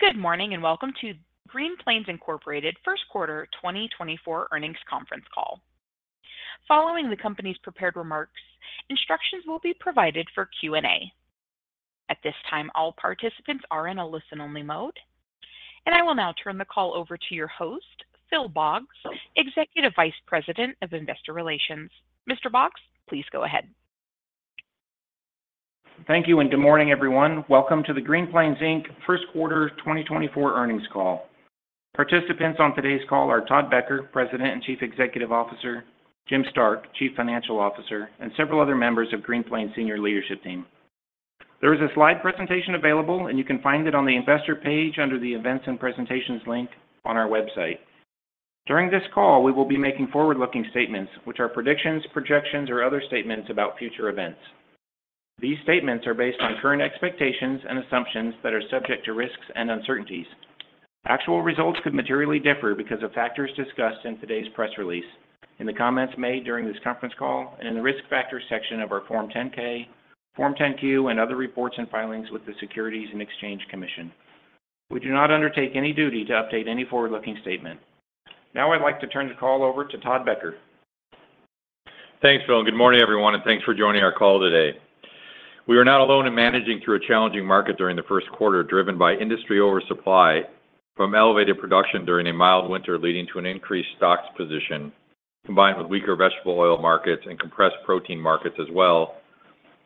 Good morning, and welcome to Green Plains Incorporated First Quarter 2024 Earnings Conference Call. Following the company's prepared remarks, instructions will be provided for Q&A. At this time, all participants are in a listen-only mode, and I will now turn the call over to your host, Phil Boggs, Executive Vice President of Investor Relations. Mr. Boggs, please go ahead. Thank you, and good morning, everyone. Welcome to the Green Plains Inc. first quarter 2024 earnings call. Participants on today's call are Todd Becker, President and Chief Executive Officer; Jim Stark, Chief Financial Officer; and several other members of Green Plains' senior leadership team. There is a slide presentation available, and you can find it on the Investor page under the Events and Presentations link on our website. During this call, we will be making forward-looking statements, which are predictions, projections, or other statements about future events. These statements are based on current expectations and assumptions that are subject to risks and uncertainties. Actual results could materially differ because of factors discussed in today's press release, in the comments made during this conference call, and in the Risk Factors section of our Form 10-K, Form 10-Q, and other reports and filings with the Securities and Exchange Commission. We do not undertake any duty to update any forward-looking statement. Now I'd like to turn the call over to Todd Becker. Thanks, Phil. Good morning, everyone, and thanks for joining our call today. We are not alone in managing through a challenging market during the first quarter, driven by industry oversupply from elevated production during a mild winter, leading to an increased stocks position, combined with weaker vegetable oil markets and compressed protein markets as well,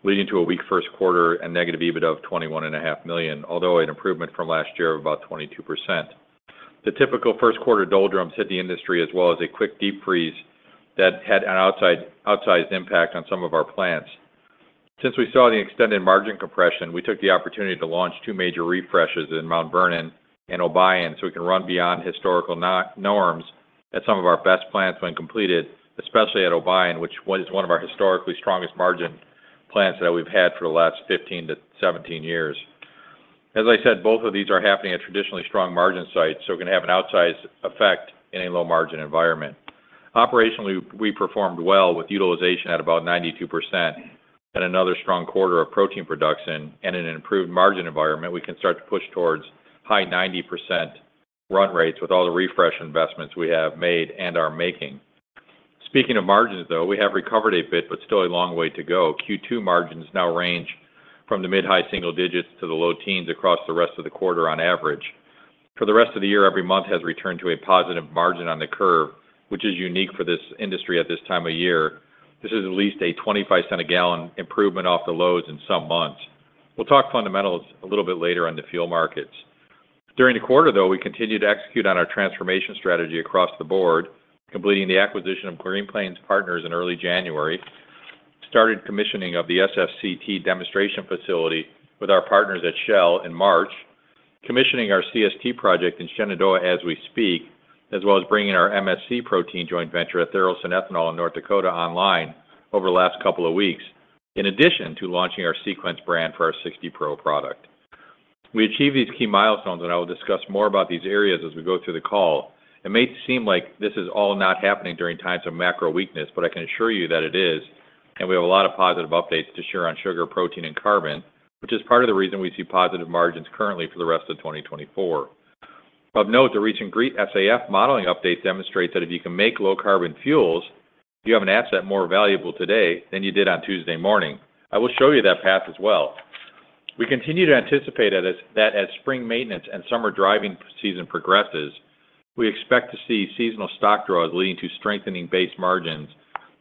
leading to a weak first quarter and negative EBITDA of $21.5 million, although an improvement from last year of about 22%. The typical first quarter doldrums hit the industry, as well as a quick deep freeze that had an outsized impact on some of our plants. Since we saw the extended margin compression, we took the opportunity to launch two major refreshes in Mount Vernon and Obion, so we can run beyond historical known norms at some of our best plants when completed, especially at Obion, which was one of our historically strongest margin plants that we've had for the last 15-17 years. As I said, both of these are happening at traditionally strong margin sites, so we're going to have an outsized effect in a low-margin environment. Operationally, we performed well with utilization at about 92% and another strong quarter of protein production and an improved margin environment. We can start to push towards high 90% run rates with all the refresh investments we have made and are making. Speaking of margins, though, we have recovered a bit, but still a long way to go. Q2 margins now range from the mid-high single digits to the low teens across the rest of the quarter on average. For the rest of the year, every month has returned to a positive margin on the curve, which is unique for this industry at this time of year. This is at least a $0.25-a-gallon improvement off the lows in some months. We'll talk fundamentals a little bit later on the fuel markets. During the quarter, though, we continued to execute on our transformation strategy across the board, completing the acquisition of Green Plains Partners in early January, started commissioning of the SFCT demonstration facility with our partners at Shell in March, commissioning our CST project in Shenandoah as we speak, as well as bringing our MSC protein joint venture at Tharaldson Ethanol in North Dakota online over the last couple of weeks, in addition to launching our Sequence brand for our 60% protein product. We achieved these key milestones, and I will discuss more about these areas as we go through the call. It may seem like this is all not happening during times of macro weakness, but I can assure you that it is, and we have a lot of positive updates to share on sugar, protein, and carbon, which is part of the reason we see positive margins currently for the rest of 2024. Of note, the recent GREET SAF modeling update demonstrates that if you can make low-carbon fuels, you have an asset more valuable today than you did on Tuesday morning. I will show you that path as well. We continue to anticipate that as spring maintenance and summer driving season progresses, we expect to see seasonal stock draws leading to strengthening base margins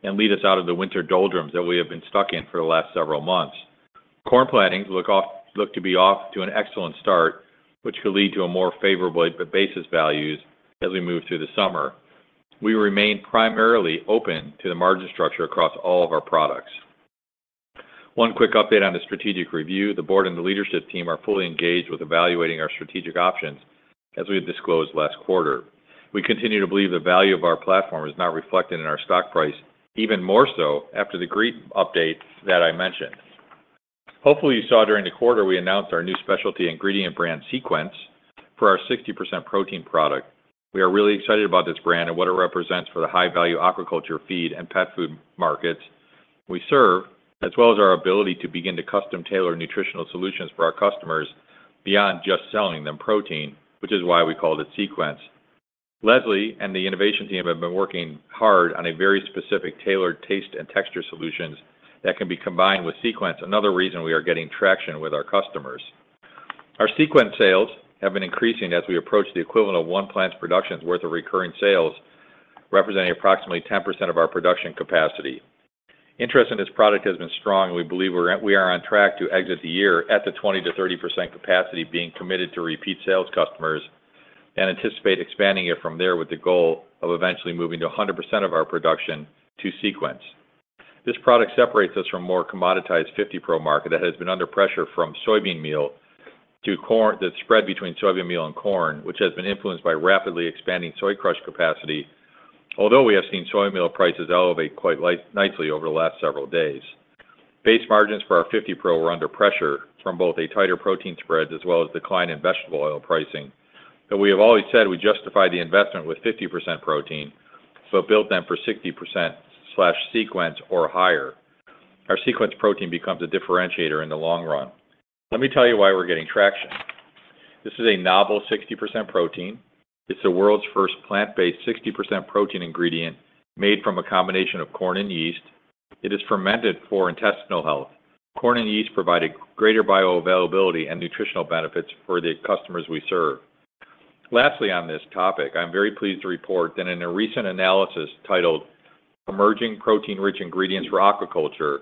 and lead us out of the winter doldrums that we have been stuck in for the last several months. Corn plantings look to be off to an excellent start, which could lead to a more favorable basis values as we move through the summer. We remain primarily open to the margin structure across all of our products. One quick update on the strategic review. The Board and the leadership team are fully engaged with evaluating our strategic options, as we had disclosed last quarter. We continue to believe the value of our platform is not reflected in our stock price, even more so after the GREET update that I mentioned. Hopefully, you saw during the quarter, we announced our new specialty ingredient brand, Sequence, for our 60% protein product. We are really excited about this brand and what it represents for the high-value aquaculture feed and pet food markets we serve, as well as our ability to begin to custom-tailor nutritional solutions for our customers beyond just selling them protein, which is why we call it Sequence. Leslie and the innovation team have been working hard on a very specific tailored taste and texture solutions that can be combined with Sequence, another reason we are getting traction with our customers. Our Sequence sales have been increasing as we approach the equivalent of one plant's production worth of recurring sales, representing approximately 10% of our production capacity. Interest in this product has been strong. We believe we are on track to exit the year at the 20%-30% capacity being committed to repeat sales customers and anticipate expanding it from there with the goal of eventually moving to 100% of our production to Sequence. This product separates us from more 50 pro market that has been under pressure from soybean meal to corn—that spread between soybean meal and corn, which has been influenced by rapidly expanding soy crush capacity. Although we have seen soy meal prices elevate quite a bit, nicely over the last several days. Base margins for 50 pro were under pressure from both a tighter protein spread as well as decline in vegetable oil pricing. But we have always said we justify the investment with 50% protein, so build them for 60%/Sequence or higher. Our Sequence protein becomes a differentiator in the long run. Let me tell you why we're getting traction. This is a novel 60% protein. It's the world's first plant-based 60% protein ingredient made from a combination of corn and yeast. It is fermented for intestinal health. Corn and yeast provide a greater bioavailability and nutritional benefits for the customers we serve. Lastly, on this topic, I'm very pleased to report that in a recent analysis titled Emerging Protein-Rich Ingredients for Aquaculture,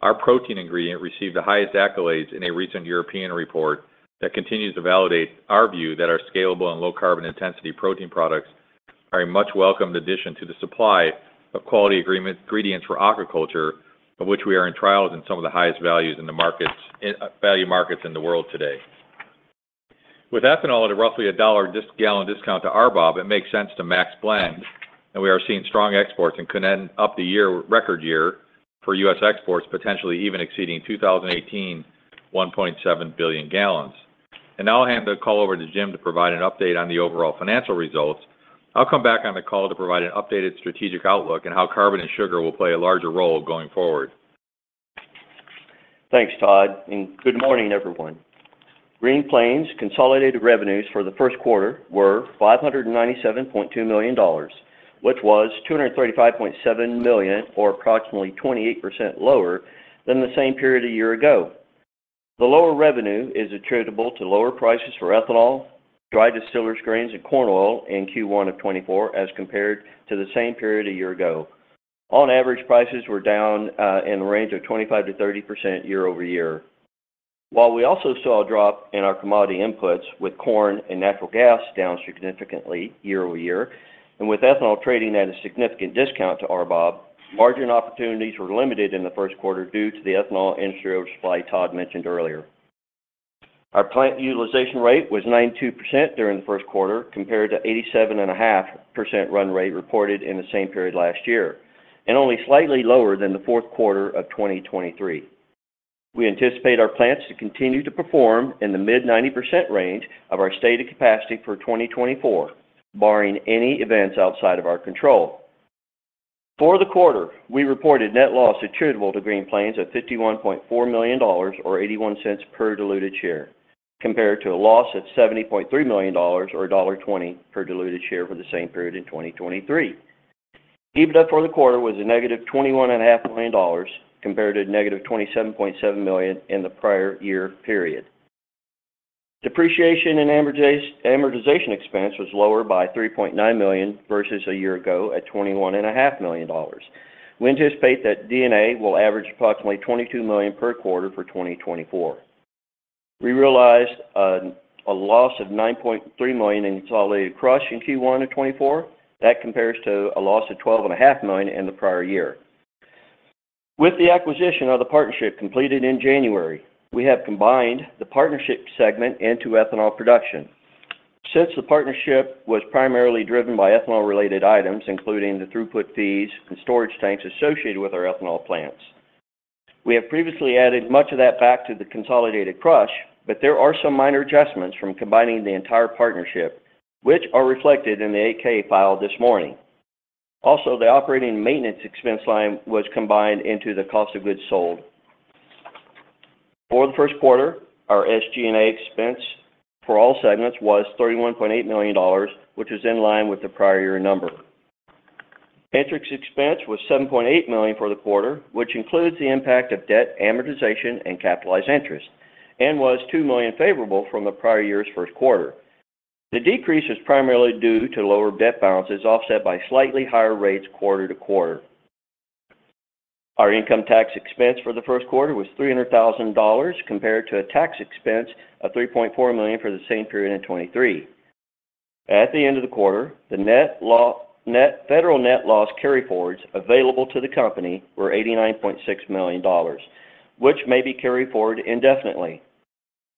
our protein ingredient received the highest accolades in a recent European report that continues to validate our view that our scalable and low carbon intensity protein products are a much welcomed addition to the supply of quality ingredients for aquaculture, of which we are in trials in some of the highest values in the markets, value markets in the world today. With ethanol at roughly $1 per gallon discount to RBOB, it makes sense to max blend, and we are seeing strong exports and could end up the year a record year for U.S. exports, potentially even exceeding 2018, 1.7 billion gallons. Now I'll hand the call over to Jim to provide an update on the overall financial results. I'll come back on the call to provide an updated strategic outlook and how carbon and sugar will play a larger role going forward. Thanks, Todd, and good morning, everyone. Green Plains' consolidated revenues for the first quarter were $597.2 million, which was $235.7 million, or approximately 28% lower than the same period a year ago. The lower revenue is attributable to lower prices for ethanol, dry distillers grains, and corn oil in Q1 of 2024, as compared to the same period a year ago. On average, prices were down in the range of 25%-30% year-over-year. While we also saw a drop in our commodity inputs, with corn and natural gas down significantly year-over-year, and with ethanol trading at a significant discount to RBOB, margin opportunities were limited in the first quarter due to the ethanol industry oversupply Todd mentioned earlier. Our plant utilization rate was 92% during the first quarter, compared to 87.5% run rate reported in the same period last year, and only slightly lower than the fourth quarter of 2023. We anticipate our plants to continue to perform in the mid-90% range of our stated capacity for 2024, barring any events outside of our control. For the quarter, we reported net loss attributable to Green Plains of $51.4 million, or $0.81 per diluted share, compared to a loss of $70.3 million or $1.20 per diluted share for the same period in 2023. EBITDA for the quarter was a negative $21.5 million, compared to negative $27.7 million in the prior year period. Depreciation and amortization expense was lower by $3.9 million versus a year ago at $21.5 million. We anticipate that D&A will average approximately $22 million per quarter for 2024. We realized a loss of $9.3 million in consolidated crush in Q1 of 2024. That compares to a loss of $12.5 million in the prior year. With the acquisition of the partnership completed in January, we have combined the partnership segment into ethanol production. Since the partnership was primarily driven by ethanol-related items, including the throughput fees and storage tanks associated with our ethanol plants, we have previously added much of that back to the consolidated crush, but there are some minor adjustments from combining the entire partnership, which are reflected in the 8-K file this morning. Also, the operating maintenance expense line was combined into the cost of goods sold. For the first quarter, our SG&A expense for all segments was $31.8 million, which is in line with the prior year number. Interest expense was $7.8 million for the quarter, which includes the impact of debt, amortization, and capitalized interest, and was $2 million favorable from the prior year's first quarter. The decrease is primarily due to lower debt balances, offset by slightly higher rates quarter-to-quarter. Our income tax expense for the first quarter was $300,000, compared to a tax expense of $3.4 million for the same period in 2023. At the end of the quarter, the federal net loss carryforwards available to the company were $89.6 million, which may be carried forward indefinitely.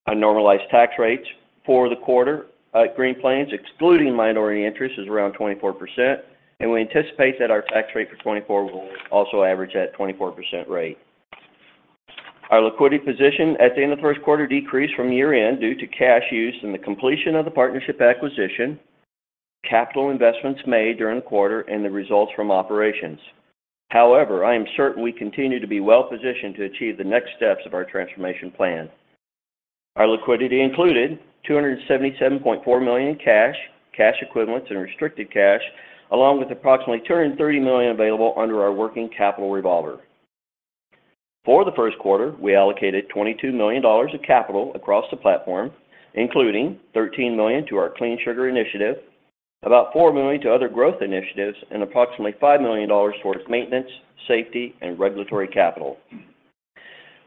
Our normalized tax rates for the quarter at Green Plains, excluding minority interest, is around 24%, and we anticipate that our tax rate for 2024 will also average at 24% rate. Our liquidity position at the end of the first quarter decreased from year-end due to cash use and the completion of the partnership acquisition, capital investments made during the quarter, and the results from operations. However, I am certain we continue to be well-positioned to achieve the next steps of our transformation plan. Our liquidity included $277.4 million in cash, cash equivalents, and restricted cash, along with approximately $230 million available under our working capital revolver. For the first quarter, we allocated $22 million of capital across the platform, including $13 million to our Clean Sugar initiative, about $4 million to other growth initiatives, and approximately $5 million towards maintenance, safety, and regulatory capital.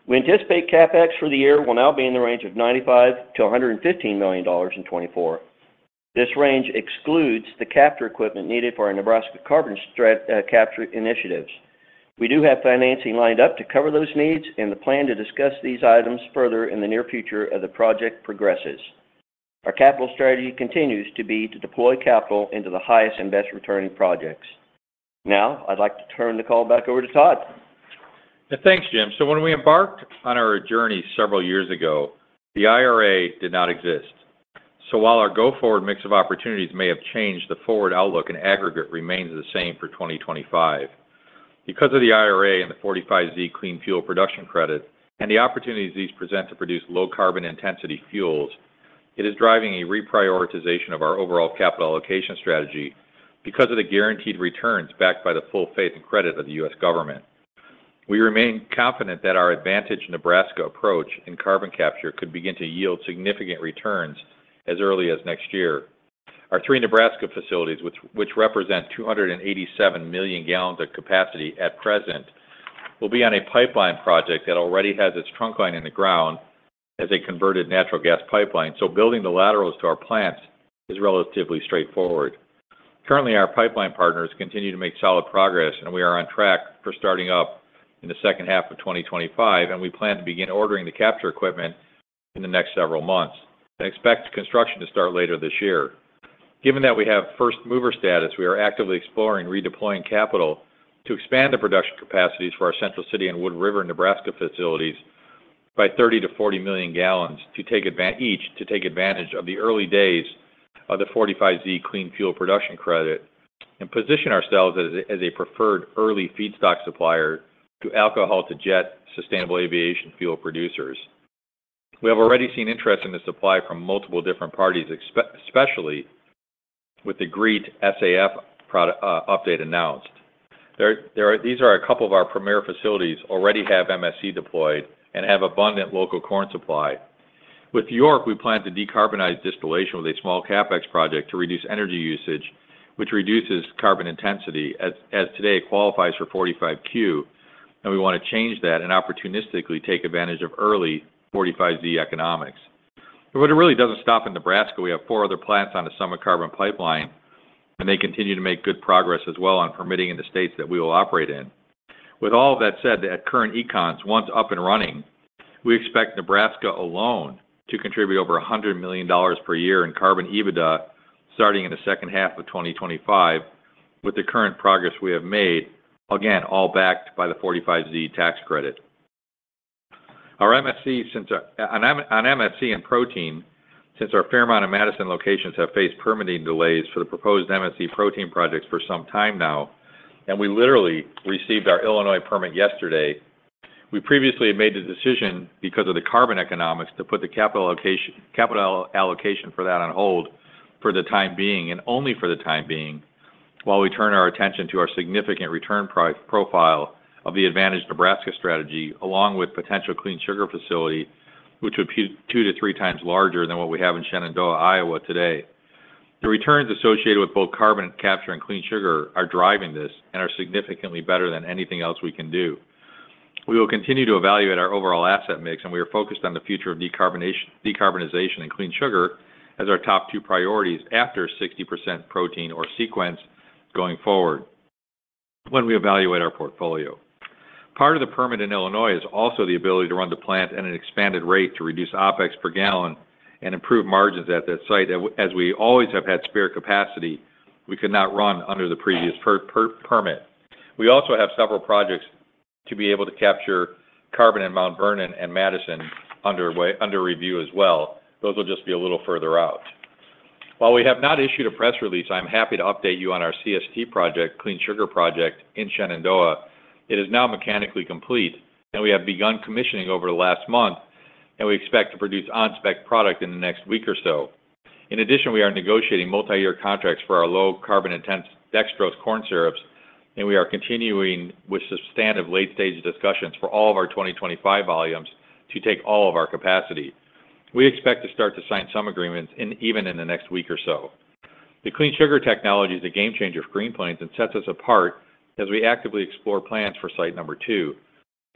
We anticipate CapEx for the year will now be in the range of $95 million-$115 million in 2024. This range excludes the capture equipment needed for our Nebraska carbon capture initiatives. We do have financing lined up to cover those needs and the plan to discuss these items further in the near future as the project progresses. Our capital strategy continues to be to deploy capital into the highest and best returning projects. Now, I'd like to turn the call back over to Todd. Thanks, Jim. So when we embarked on our journey several years ago, the IRA did not exist... So while our go forward mix of opportunities may have changed, the forward outlook and aggregate remains the same for 2025. Because of the IRA and the 45Z clean fuel production credit, and the opportunities these present to produce low carbon intensity fuels, it is driving a reprioritization of our overall capital allocation strategy because of the guaranteed returns backed by the full faith and credit of the U.S. government. We remain confident that our Advantage Nebraska approach in carbon capture could begin to yield significant returns as early as next year. Our three Nebraska facilities, which represent 287 million gallons of capacity at present, will be on a pipeline project that already has its trunk line in the ground as a converted natural gas pipeline. So building the laterals to our plants is relatively straightforward. Currently, our pipeline partners continue to make solid progress, and we are on track for starting up in the second half of 2025, and we plan to begin ordering the capture equipment in the next several months and expect construction to start later this year. Given that we have first mover status, we are actively exploring redeploying capital to expand the production capacities for our Central City and Wood River, Nebraska facilities by 30 million-40 million gallons to take advantage of the early days of the 45Z clean fuel production credit, and position ourselves as a preferred early feedstock supplier to alcohol-to-jet sustainable aviation fuel producers. We have already seen interest in the supply from multiple different parties, especially with the GREET SAF product update announced. There are these are a couple of our premier facilities, already have MSC deployed and have abundant local corn supply. With York, we plan to decarbonize distillation with a small CapEx project to reduce energy usage, which reduces carbon intensity, as today, it qualifies for 45Q, and we want to change that and opportunistically take advantage of early 45Z economics. But it really doesn't stop in Nebraska. We have four other plants on the Summit Carbon Pipeline, and they continue to make good progress as well on permitting in the states that we will operate in. With all of that said, at current economics, once up and running, we expect Nebraska alone to contribute over $100 million per year in carbon EBITDA, starting in the second half of 2025, with the current progress we have made, again, all backed by the 45Z tax credit. Our MSC—on MSC and protein, since our Fairmont and Madison locations have faced permitting delays for the proposed MSC protein projects for some time now, and we literally received our Illinois permit yesterday. We previously made the decision, because of the carbon economics, to put the capital allocation, capital allocation for that on hold for the time being, and only for the time being, while we turn our attention to our significant return profile of the Advantage Nebraska strategy, along with potential clean sugar facility, which would be 2-3 times larger than what we have in Shenandoah, Iowa today. The returns associated with both carbon capture and clean sugar are driving this and are significantly better than anything else we can do. We will continue to evaluate our overall asset mix, and we are focused on the future of decarbonization and clean sugar as our top two priorities after 60% protein or Sequence going forward when we evaluate our portfolio. Part of the permit in Illinois is also the ability to run the plant at an expanded rate to reduce OpEx per gallon and improve margins at that site. As we always have had spare capacity, we could not run under the previous permit. We also have several projects to be able to capture carbon in Mount Vernon and Madison under review as well. Those will just be a little further out. While we have not issued a press release, I'm happy to update you on our CST project, Clean Sugar project in Shenandoah. It is now mechanically complete, and we have begun commissioning over the last month, and we expect to produce on-spec product in the next week or so. In addition, we are negotiating multi-year contracts for our low carbon intensity dextrose corn syrups, and we are continuing with substantive late-stage discussions for all of our 2025 volumes to take all of our capacity. We expect to start to sign some agreements in even in the next week or so. The Clean Sugar Technology is a game changer for Green Plains and sets us apart as we actively explore plans for site number two.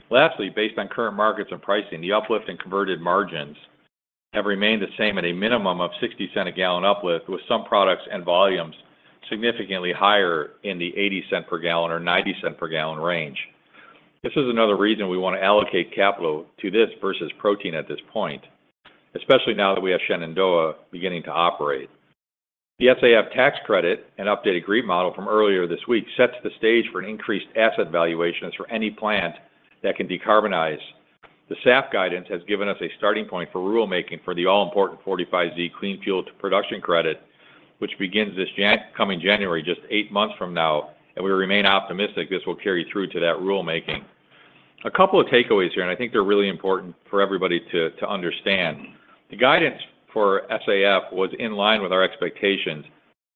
Lastly, based on current markets and pricing, the uplift in converted margins have remained the same at a minimum of $0.60 a gallon uplift, with some products and volumes significantly higher in the $0.80-$0.90 per gallon range. This is another reason we want to allocate capital to this versus protein at this point, especially now that we have Shenandoah beginning to operate. The SAF tax credit and updated GREET model from earlier this week sets the stage for an increased asset valuation as for any plant that can decarbonize. The SAF guidance has given us a starting point for rulemaking for the all-important 45Z clean fuel production credit, which begins this January, just eight months from now, and we remain optimistic this will carry through to that rulemaking. A couple of takeaways here, and I think they're really important for everybody to understand. The guidance for SAF was in line with our expectations,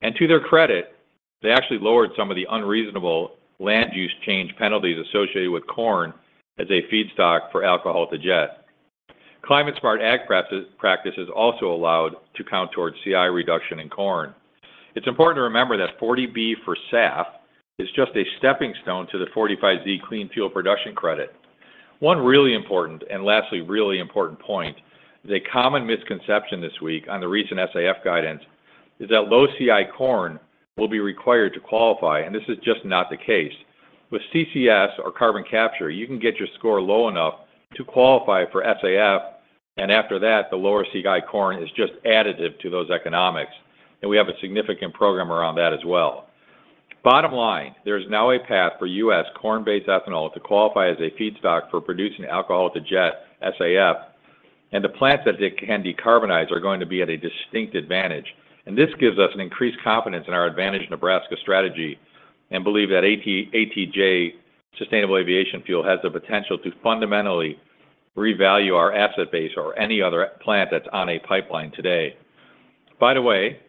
and to their credit, they actually lowered some of the unreasonable land use change penalties associated with corn as a feedstock for alcohol-to-jet. Climate-smart ag practices also allowed to count towards CI reduction in corn. It's important to remember that 40B for SAF is just a stepping stone to the 45Z clean fuel production credit. One really important, and lastly, really important point, is a common misconception this week on the recent SAF guidance is that low CI corn will be required to qualify, and this is just not the case. With CCS or carbon capture, you can get your score low enough to qualify for SAF, and after that, the lower CI corn is just additive to those economics, and we have a significant program around that as well.... Bottom line, there is now a path for U.S. corn-based ethanol to qualify as a feedstock for producing alcohol-to-jet, SAF, and the plants that they can decarbonize are going to be at a distinct advantage. This gives us an increased confidence in our Advantage Nebraska strategy, and believe that ATJ sustainable aviation fuel has the potential to fundamentally revalue our asset base or any other plant that's on a pipeline today. By the way,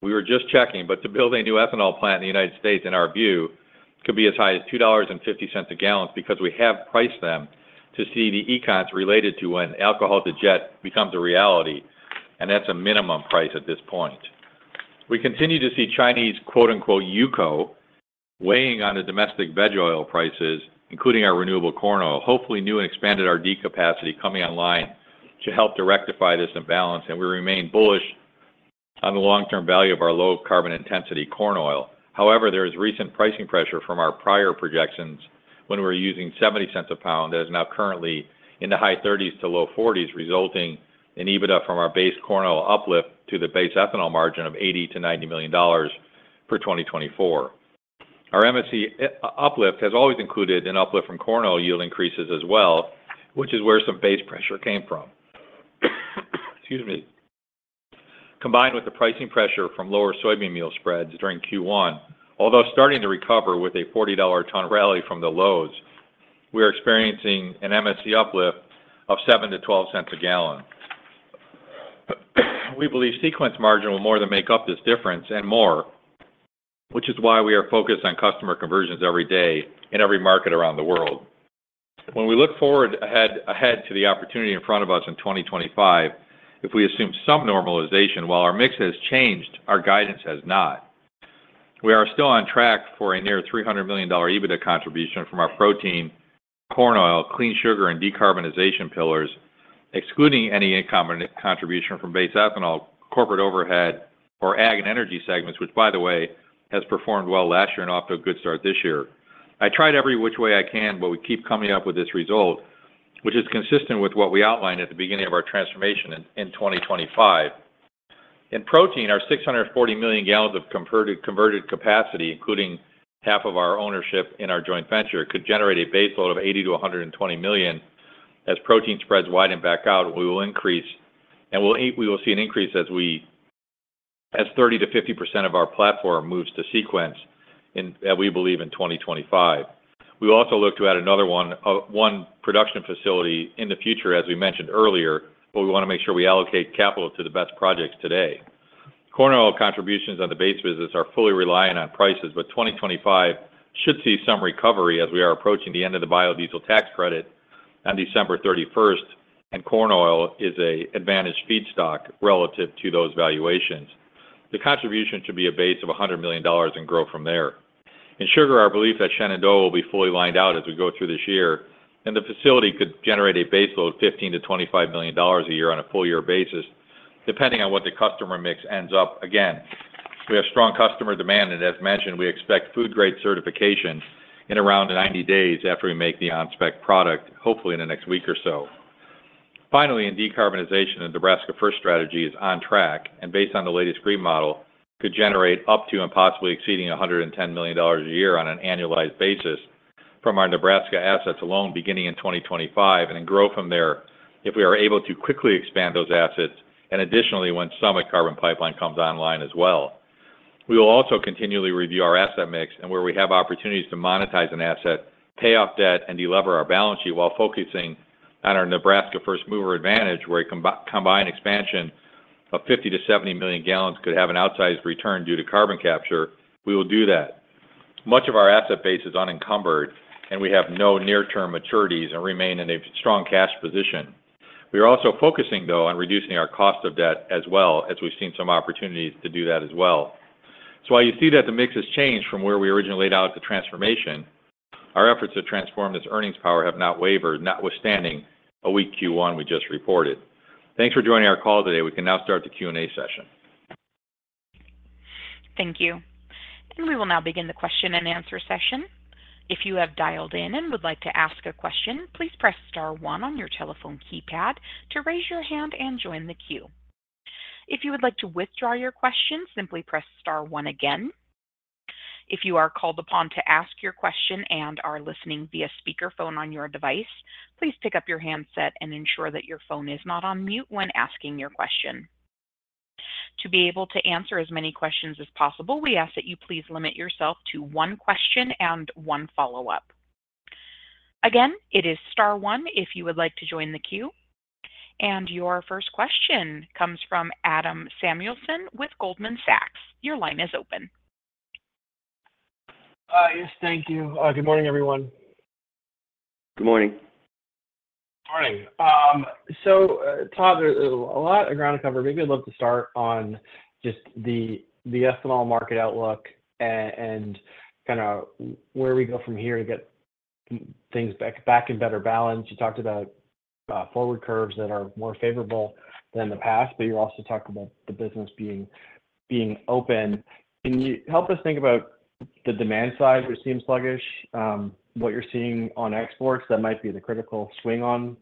we were just checking, but to build a new ethanol plant in the United States, in our view, could be as high as $2.50 a gallon because we have priced them to see the economics related to when alcohol-to-jet becomes a reality, and that's a minimum price at this point. We continue to see Chinese quote, unquote, UCO weighing on the domestic veg oil prices, including our renewable corn oil. Hopefully, new and expanded RD capacity coming online to help rectify this imbalance, and we remain bullish on the long-term value of our low carbon intensity corn oil. However, there is recent pricing pressure from our prior projections when we were using $0.70 a pound, that is now currently in the high 30s-low 40s, resulting in EBITDA from our base corn oil uplift to the base ethanol margin of $80 million-$90 million for 2024. Our MSC uplift has always included an uplift from corn oil yield increases as well, which is where some base pressure came from. Excuse me. Combined with the pricing pressure from lower soybean meal spreads during Q1, although starting to recover with a $40/ton rally from the lows, we are experiencing an MSC uplift of $0.07-$0.12 a gallon. We believe Sequence margin will more than make up this difference and more, which is why we are focused on customer conversions every day in every market around the world. When we look forward ahead to the opportunity in front of us in 2025, if we assume some normalization, while our mix has changed, our guidance has not. We are still on track for a near $300 million EBITDA contribution from our protein, corn oil, clean sugar, and decarbonization pillars, excluding any immaterial contribution from base ethanol, corporate overhead or ag and energy segments, which, by the way, has performed well last year and off to a good start this year. I tried every which way I can, but we keep coming up with this result, which is consistent with what we outlined at the beginning of our transformation in 2025. In protein, our 640 million gallons of converted capacity, including half of our ownership in our joint venture, could generate a base load of 80-120 million. As protein spreads wide and back out, we will increase, and we will see an increase as 30%-50% of our platform moves to Sequence in, we believe in 2025. We will also look to add another one, one production facility in the future, as we mentioned earlier, but we want to make sure we allocate capital to the best projects today. Corn oil contributions on the base business are fully reliant on prices, but 2025 should see some recovery as we are approaching the end of the biodiesel tax credit on December 31st, and corn oil is an advantage feedstock relative to those valuations. The contribution should be a base of $100 million and grow from there. In sugar, our belief that Shenandoah will be fully lined out as we go through this year, and the facility could generate a base load of $15 million-$25 million a year on a full year basis, depending on what the customer mix ends up. Again, we have strong customer demand, and as mentioned, we expect food grade certification in around 90 days after we make the on-spec product, hopefully in the next week or so. Finally, in decarbonization, our Nebraska first strategy is on track, and based on the latest GREET model, could generate up to and possibly exceeding $110 million a year on an annualized basis from our Nebraska assets alone beginning in 2025, and then grow from there if we are able to quickly expand those assets, and additionally, when some carbon pipeline comes online as well. We will also continually review our asset mix and where we have opportunities to monetize an asset, pay off debt, and delever our balance sheet while focusing on our Nebraska first-mover advantage, where a combined expansion of 50-70 million gallons could have an outsized return due to carbon capture, we will do that. Much of our asset base is unencumbered, and we have no near-term maturities and remain in a strong cash position. We are also focusing, though, on reducing our cost of debt as well, as we've seen some opportunities to do that as well. So while you see that the mix has changed from where we originally laid out the transformation, our efforts to transform this earnings power have not wavered, notwithstanding a weak Q1 we just reported. Thanks for joining our call today. We can now start the Q&A session. Thank you. We will now begin the question and answer session. If you have dialed in and would like to ask a question, please press star one on your telephone keypad to raise your hand and join the queue. If you would like to withdraw your question, simply press star one again. If you are called upon to ask your question and are listening via speakerphone on your device, please pick up your handset and ensure that your phone is not on mute when asking your question. To be able to answer as many questions as possible, we ask that you please limit yourself to one question and one follow-up. Again, it is star one if you would like to join the queue, and your first question comes from Adam Samuelson with Goldman Sachs. Your line is open. Yes, thank you. Good morning, everyone. Good morning. Morning. So, Todd, there's a lot of ground to cover. Maybe I'd love to start on just the ethanol market outlook and kinda where we go from here to get things back in better balance. You talked about forward curves that are more favorable than the past, but you also talked about the business being open. Can you help us think about the demand side, which seems sluggish, what you're seeing on exports? That might be the critical swing on.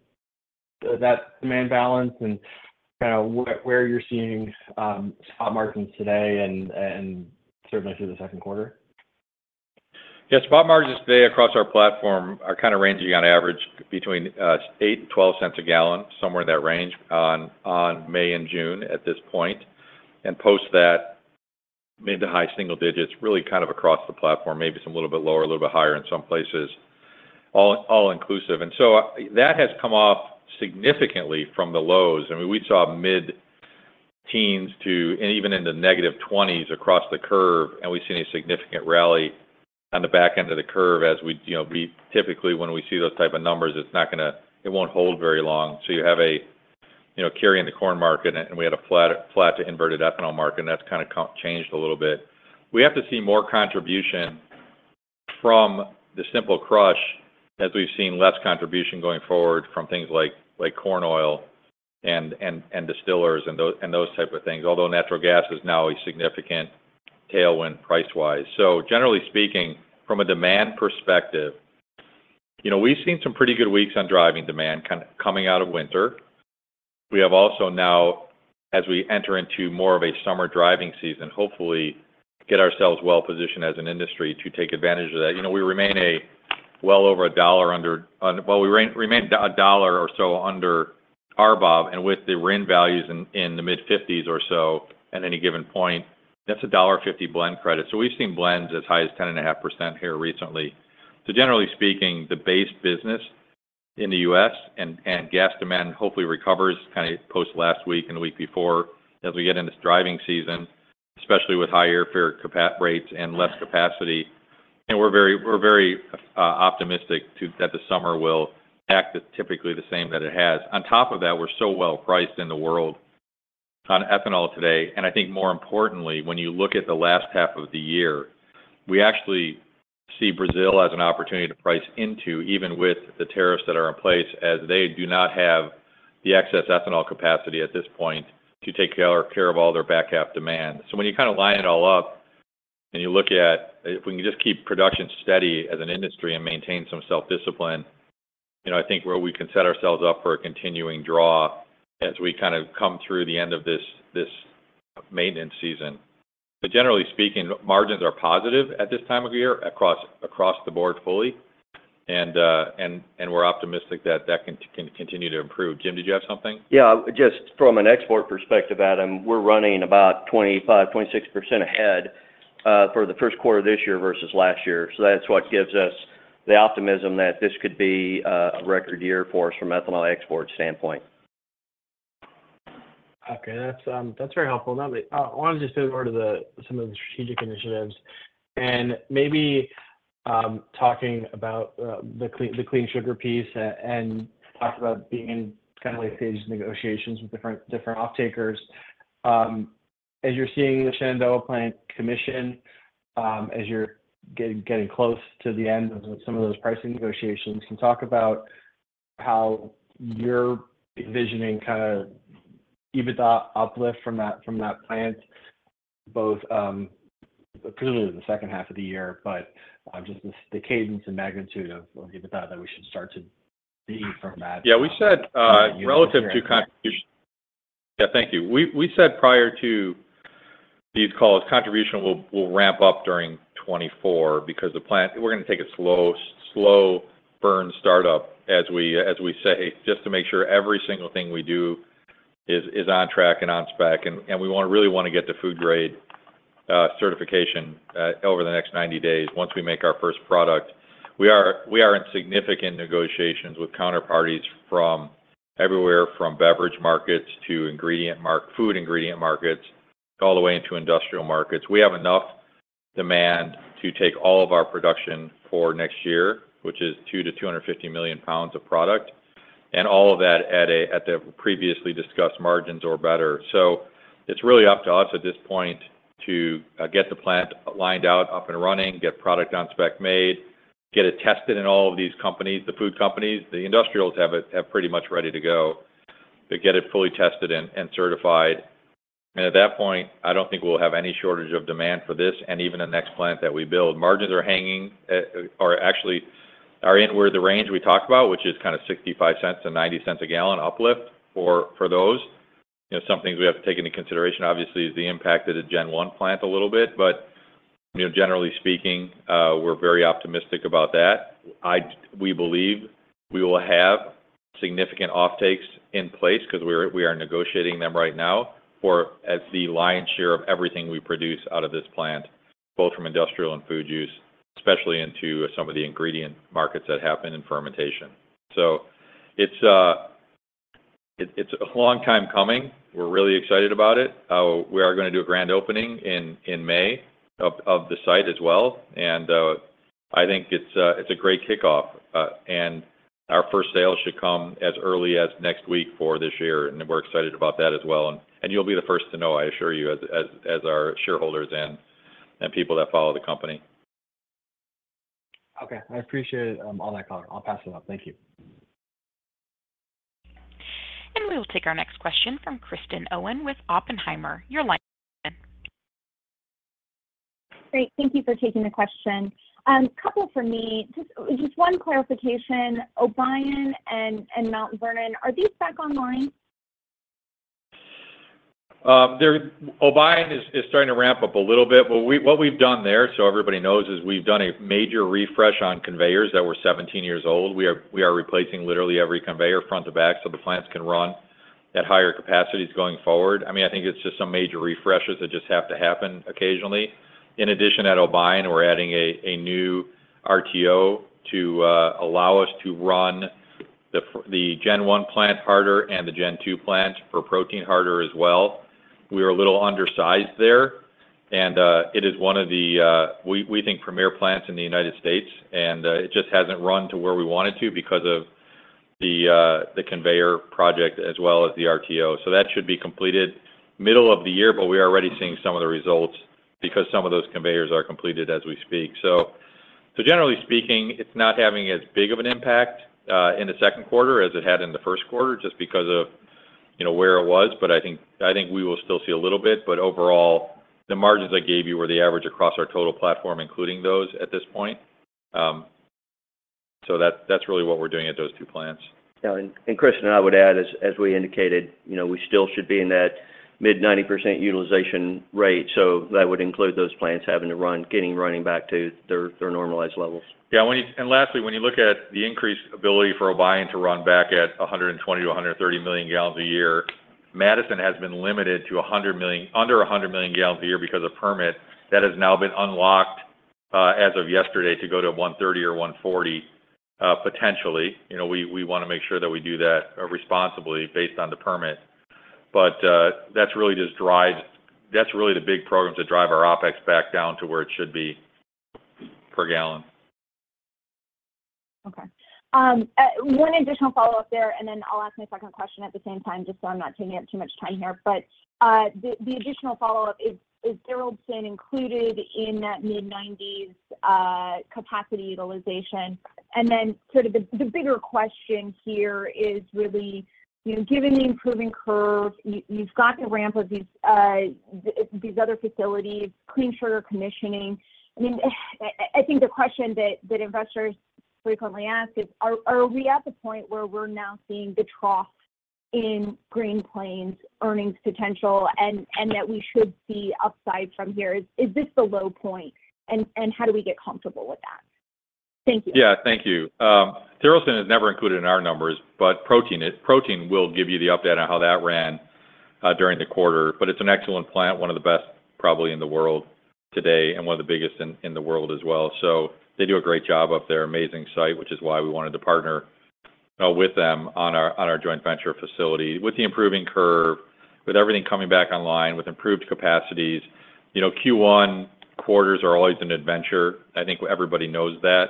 So that's demand balance, and kind of where you're seeing spot margins today and certainly through the second quarter? Yeah, spot margins today across our platform are kind of ranging on average between $0.08-$0.12 a gallon, somewhere in that range on May and June at this point. And post that, mid- to high-single digits, really kind of across the platform, maybe some a little bit lower, a little bit higher in some places, all inclusive. And so that has come off significantly from the lows. I mean, we saw mid-teens to and even into negative twenties across the curve, and we've seen a significant rally on the back end of the curve as we'd you know, we typically, when we see those type of numbers, it's not gonna it won't hold very long. So you have a, you know, carry in the corn market, and we had a flat, flat to inverted ethanol market, and that's kind of changed a little bit. We have to see more contribution from the simple crush, as we've seen less contribution going forward from things like, like corn oil and, and, and distillers and those type of things. Although natural gas is now a significant tailwind price-wise. So generally speaking, from a demand perspective, you know, we've seen some pretty good weeks on driving demand kind of coming out of winter. We have also now, as we enter into more of a summer driving season, hopefully get ourselves well-positioned as an industry to take advantage of that. You know, we remain well over a dollar under, well, we remain a dollar or so under RBOB, and with the RIN values in the mid-50s or so at any given point, that's a $1.50 blend credit. So we've seen blends as high as 10.5% here recently. So generally speaking, the base business in the U.S. and gas demand hopefully recovers kind of post last week and the week before as we get into driving season, especially with higher airfare capacity rates and less capacity. And we're very we're very optimistic that the summer will act typically the same that it has. On top of that, we're so well priced in the world on ethanol today, and I think more importantly, when you look at the last half of the year, we actually see Brazil as an opportunity to price into, even with the tariffs that are in place, as they do not have the excess ethanol capacity at this point to take care of all their back half demand. So when you kind of line it all up and you look at... If we can just keep production steady as an industry and maintain some self-discipline, you know, I think where we can set ourselves up for a continuing draw as we kind of come through the end of this maintenance season. But generally speaking, margins are positive at this time of year across the board fully, and we're optimistic that that can continue to improve. Jim, did you have something? Yeah, just from an export perspective, Adam, we're running about 25%-26% ahead for the first quarter this year versus last year. So that's what gives us the optimism that this could be a record year for us from ethanol export standpoint. Okay. That's, that's very helpful. Now, I want to just move on to some of the strategic initiatives and maybe talking about the clean sugar piece and talk about being in kind of late stage negotiations with different off-takers. As you're seeing the Shenandoah Plant Commission, as you're getting close to the end of some of those pricing negotiations, can you talk about how you're envisioning kind of EBITDA uplift from that plant, both clearly in the second half of the year, but just the cadence and magnitude of EBITDA that we should start to see from that? Yeah, we said relative to contribution. Yeah, thank you. We said prior to these calls, contribution will ramp up during 2024 because the plant—we're gonna take a slow burn startup, as we say, just to make sure every single thing we do is on track and on spec, and we really want to get the food grade certification over the next 90 days once we make our first product. We are in significant negotiations with counterparties from everywhere, from beverage markets to ingredient markets—food ingredient markets, all the way into industrial markets. We have enough demand to take all of our production for next year, which is 200-250 million pounds of product, and all of that at the previously discussed margins or better. So it's really up to us at this point to get the plant lined out, up and running, get product on spec made, get it tested in all of these companies, the food companies. The industrials have it, have pretty much ready to go, but get it fully tested and certified. And at that point, I don't think we'll have any shortage of demand for this and even the next plant that we build. Margins are hanging, are actually in where the range we talked about, which is kind of $0.65-$0.90 a gallon uplift for those. You know, some things we have to take into consideration, obviously, is the impact of the Gen 1 plant a little bit, but you know, generally speaking, we're very optimistic about that. We believe we will have significant off-takes in place because we're we are negotiating them right now for as the lion's share of everything we produce out of this plant, both from industrial and food use, especially into some of the ingredient markets that happen in fermentation. So it's it's a long time coming. We're really excited about it. We are gonna do a grand opening in in May of of the site as well, and I think it's a it's a great kickoff, and our first sale should come as early as next week for this year, and we're excited about that as well. And and you'll be the first to know, I assure you, as as as our shareholders and and people that follow the company. Okay. I appreciate it, all that color. I'll pass it on. Thank you. We will take our next question from Kristen Owen with Oppenheimer. Your line is open. Great. Thank you for taking the question. Couple for me. Just one clarification, Obion and Mount Vernon, are these back online? Obion is starting to ramp up a little bit. But what we've done there, so everybody knows, is we've done a major refresh on conveyors that were 17 years old. We are replacing literally every conveyor front to back, so the plants can run at higher capacities going forward. I mean, I think it's just some major refreshes that just have to happen occasionally. In addition, at Obion, we're adding a new RTO to allow us to run the gen one plant harder and the gen two plant for protein harder as well. We are a little undersized there, and it is one of the we think premier plants in the United States, and it just hasn't run to where we want it to because of the the conveyor project as well as the RTO. So that should be completed middle of the year, but we are already seeing some of the results because some of those conveyors are completed as we speak. So generally speaking, it's not having as big of an impact in the second quarter as it had in the first quarter, just because of, you know, where it was. But I think we will still see a little bit, but overall, the margins I gave you were the average across our total platform, including those at this point. So that's really what we're doing at those two plants. Yeah, Kristen, I would add, as we indicated, you know, we still should be in that mid-90% utilization rate, so that would include those plants having to run, getting running back to their normalized levels. Yeah, and lastly, when you look at the increased ability for Obion to run back at 120-130 million gallons a year, Madison has been limited to 100 million—under 100 million gallons a year because of permit that has now been unlocked, as of yesterday, to go to 130 or 140, potentially. You know, we, we want to make sure that we do that responsibly based on the permit. But, that's really the big program to drive our OpEx back down to where it should be per gallon. Okay. One additional follow-up there, and then I'll ask my second question at the same time, just so I'm not taking up too much time here. But, the additional follow-up, is Tharaldson included in that mid-90s capacity utilization? And then sort of the bigger question here is really, you know, given the improving curve, you've got the ramp of these other facilities, clean sugar commissioning. I mean, I think the question that investors frequently ask is: Are we at the point where we're now seeing the trough in Green Plains' earnings potential and that we should see upside from here? Is this the low point, and how do we get comfortable with that? Thank you. Yeah. Thank you. Tharaldson is never included in our numbers, but Phil will give you the update on how that ran during the quarter. But it's an excellent plant, one of the best, probably in the world today, and one of the biggest in the world as well. So they do a great job up there, amazing site, which is why we wanted to partner with them on our joint venture facility. With the improving curve, with everything coming back online, with improved capacities, you know, Q1 quarters are always an adventure. I think everybody knows that.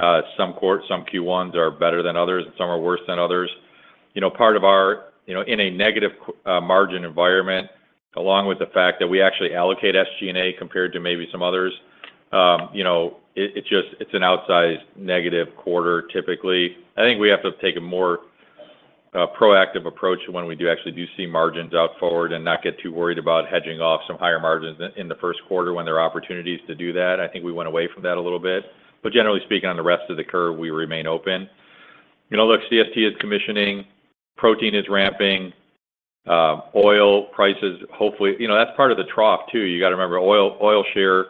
Some Q1s are better than others, and some are worse than others. You know, part of our... You know, in a negative Q margin environment, along with the fact that we actually allocate SG&A compared to maybe some others, you know, it, it's just, it's an outsized negative quarter typically. I think we have to take a more proactive approach when we do actually see margins out forward and not get too worried about hedging off some higher margins in the first quarter when there are opportunities to do that. I think we went away from that a little bit. But generally speaking, on the rest of the curve, we remain open. You know, look, CST is commissioning, protein is ramping, oil prices hopefully, you know, that's part of the trough, too. You got to remember, oil share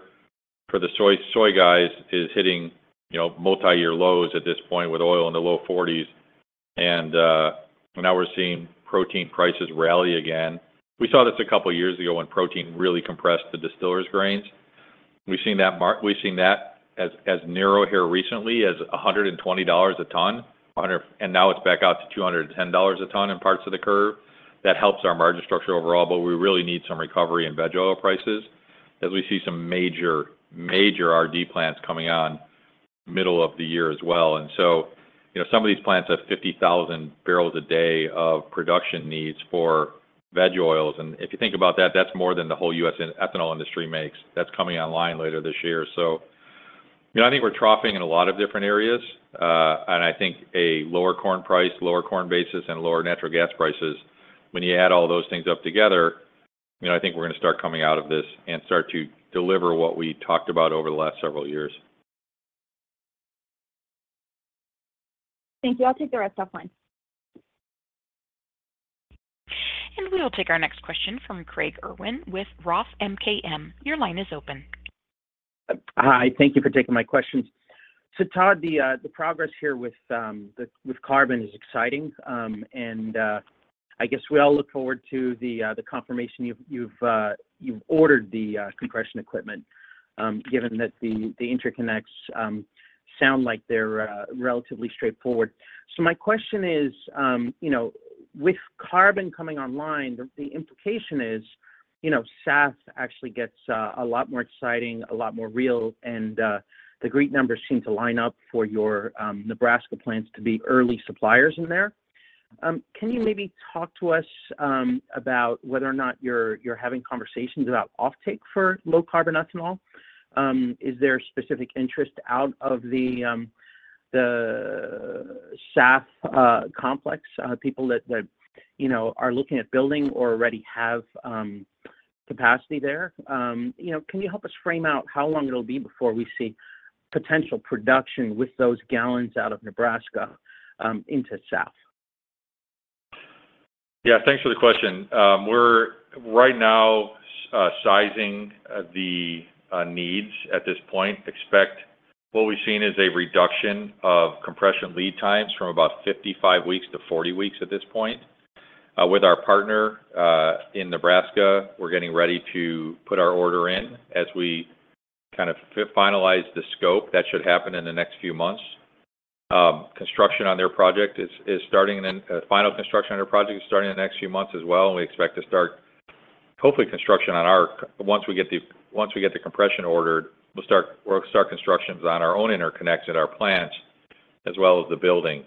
for the soy guys is hitting, you know, multiyear lows at this point with oil in the low $40s. Now we're seeing protein prices rally again. We saw this a couple of years ago when protein really compressed the distillers' grains. We've seen that as, as narrow here recently as $120 a ton, and now it's back out to $210 a ton in parts of the curve. That helps our margin structure overall, but we really need some recovery in veg oil prices, as we see some major, major RD plants coming on middle of the year as well. And so, you know, some of these plants have 50,000 barrels a day of production needs for veg oils, and if you think about that, that's more than the whole U.S. ethanol industry makes. That's coming online later this year. So, you know, I think we're troughing in a lot of different areas, and I think a lower corn price, lower corn basis, and lower natural gas prices, when you add all those things up together, you know, I think we're going to start coming out of this and start to deliver what we talked about over the last several years. Thank you. I'll take the rest offline. We will take our next question from Craig Irwin with Roth MKM. Your line is open. Hi, thank you for taking my questions. So, Todd, the progress here with carbon is exciting, and I guess we all look forward to the confirmation you've ordered the compression equipment, given that the interconnects sound like they're relatively straightforward. So my question is, you know, with carbon coming online, the implication is, you know, SAF actually gets a lot more exciting, a lot more real, and the great numbers seem to line up for your Nebraska plants to be early suppliers in there. Can you maybe talk to us about whether or not you're having conversations about offtake for low-carbon ethanol? Is there specific interest out of the... the SAF complex, people that, that, you know, are looking at building or already have capacity there. You know, can you help us frame out how long it'll be before we see potential production with those gallons out of Nebraska into SAF? Yeah, thanks for the question. We're right now sizing the needs at this point. Expect what we've seen is a reduction of compression lead times from about 55 weeks to 40 weeks at this point. With our partner in Nebraska, we're getting ready to put our order in as we kind of finalize the scope. That should happen in the next few months. Construction on their project is starting in the next few months as well, and we expect to start, hopefully, construction on our once we get the compression ordered, we'll start construction on our own interconnects at our plants, as well as the building.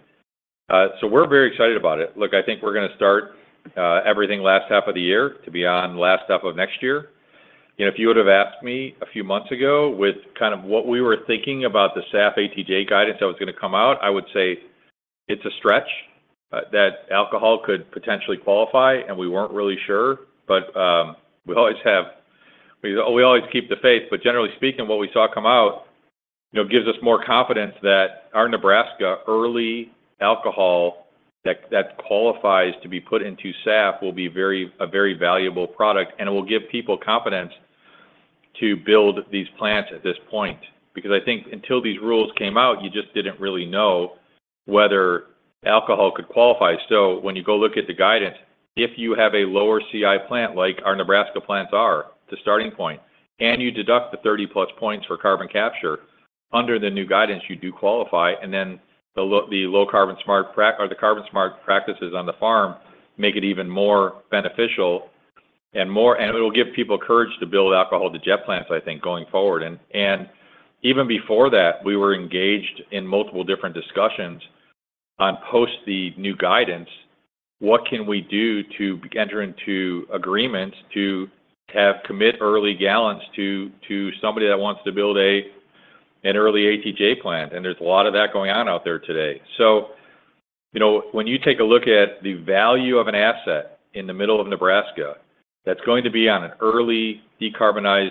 So we're very excited about it. Look, I think we're gonna start everything last half of the year to be on last half of next year. You know, if you would've asked me a few months ago with kind of what we were thinking about the SAF ATJ guidance that was gonna come out, I would say it's a stretch that alcohol could potentially qualify, and we weren't really sure. But we always keep the faith, but generally speaking, what we saw come out, you know, gives us more confidence that our Nebraska early alcohol that qualifies to be put into SAF will be very a very valuable product, and it will give people confidence to build these plants at this point. Because I think until these rules came out, you just didn't really know whether alcohol could qualify. So when you go look at the guidance, if you have a lower CI plant, like our Nebraska plants are, the starting point, and you deduct the 30+ points for carbon capture, under the new guidance, you do qualify, and then the low-carbon smart practices or the carbon smart practices on the farm make it even more beneficial and more—and it'll give people courage to build alcohol-to-jet plants, I think, going forward. And even before that, we were engaged in multiple different discussions on post the new guidance, what can we do to enter into agreements to commit early gallons to somebody that wants to build an early ATJ plant? And there's a lot of that going on out there today. So, you know, when you take a look at the value of an asset in the middle of Nebraska, that's going to be on an early decarbonized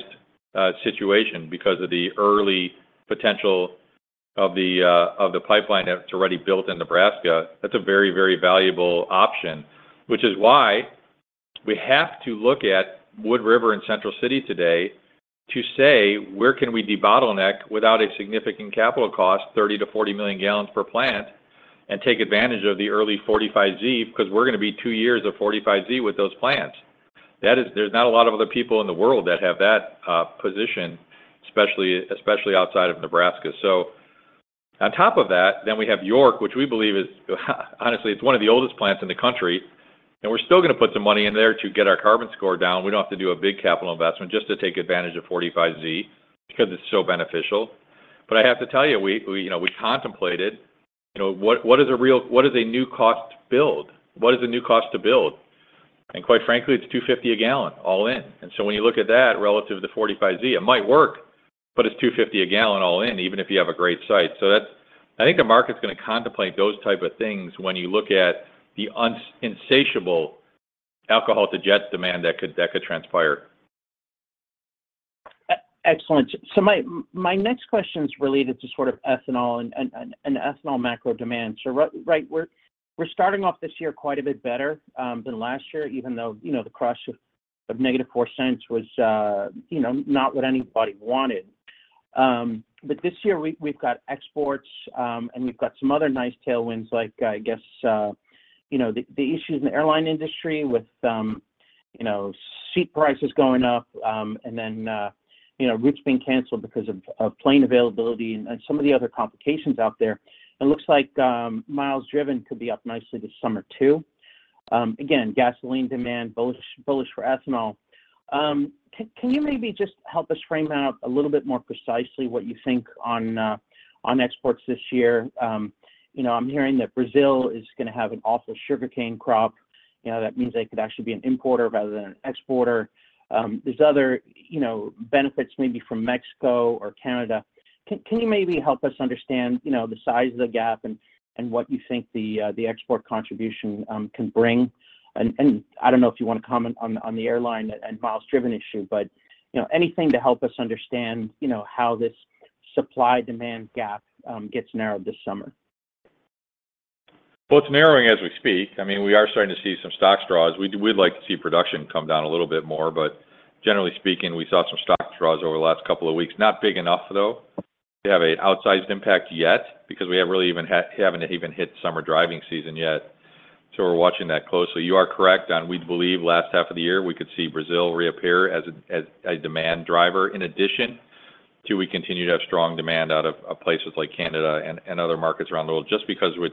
situation because of the early potential of the pipeline that's already built in Nebraska, that's a very, very valuable option, which is why we have to look at Wood River and Central City today to say, where can we debottleneck without a significant capital cost, 30-40 million gallons per plant, and take advantage of the early 45Z, 'cause we're gonna be two years of 45Z with those plants. That is. There's not a lot of other people in the world that have that position, especially, especially outside of Nebraska. So on top of that, then we have York, which we believe is, honestly, it's one of the oldest plants in the country, and we're still gonna put some money in there to get our carbon score down. We don't have to do a big capital investment just to take advantage of 45Z because it's so beneficial. But I have to tell you, we, you know, we contemplated, you know, what is a new cost to build? What is the new cost to build? And quite frankly, it's $2.50 a gallon, all in. And so when you look at that relative to 45Z, it might work, but it's $2.50 a gallon all in, even if you have a great site. So that's I think the market's gonna contemplate those type of things when you look at the insatiable alcohol-to-jet demand that could, that could transpire. Excellent. So my next question is related to sort of ethanol and ethanol macro demand. So right, we're starting off this year quite a bit better than last year, even though, you know, the crush of negative $0.04 was, you know, not what anybody wanted. But this year, we've got exports, and we've got some other nice tailwinds, like, I guess, you know, the issues in the airline industry with, you know, seat prices going up, and then, you know, routes being canceled because of plane availability and some of the other complications out there. It looks like miles driven could be up nicely this summer, too. Again, gasoline demand, bullish, bullish for ethanol. Can you maybe just help us frame out a little bit more precisely what you think on, on exports this year? You know, I'm hearing that Brazil is gonna have an awful sugarcane crop. You know, that means they could actually be an importer rather than an exporter. There's other, you know, benefits maybe from Mexico or Canada. Can you maybe help us understand, you know, the size of the gap and, and what you think the, the export contribution, can bring? And I don't know if you wanna comment on the, on the airline and miles driven issue, but, you know, anything to help us understand, you know, how this supply-demand gap, gets narrowed this summer. Well, it's narrowing as we speak. I mean, we are starting to see some stock draws. We'd like to see production come down a little bit more, but generally speaking, we saw some stock draws over the last couple of weeks. Not big enough, though, to have an outsized impact yet because we haven't really even haven't even hit summer driving season yet, so we're watching that closely. You are correct, and we believe last half of the year, we could see Brazil reappear as a demand driver. In addition, too, we continue to have strong demand out of places like Canada and other markets around the world, just because we're,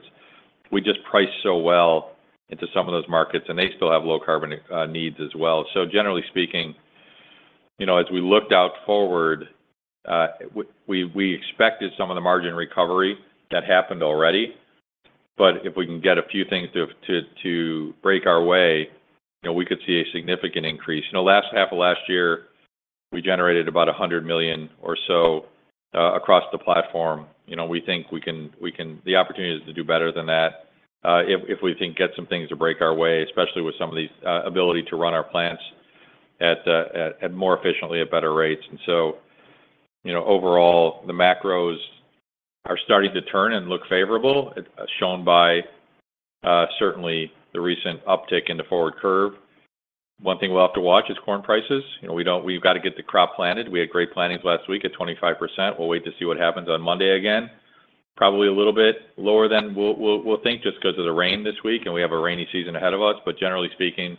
we just price so well into some of those markets, and they still have low carbon needs as well. So generally speaking, you know, as we looked out forward, we expected some of the margin recovery that happened already, but if we can get a few things to break our way, you know, we could see a significant increase. You know, last half of last year, we generated about $100 million or so across the platform. You know, we think we can—the opportunity is to do better than that, if we get some things to break our way, especially with some of these ability to run our plants at more efficiently, at better rates. And so, you know, overall, the macros are starting to turn and look favorable, as shown by certainly the recent uptick in the forward curve. One thing we'll have to watch is corn prices. You know, we don't—we've got to get the crop planted. We had great plantings last week at 25%. We'll wait to see what happens on Monday again. Probably a little bit lower than we'll think, just 'cause of the rain this week, and we have a rainy season ahead of us. But generally speaking,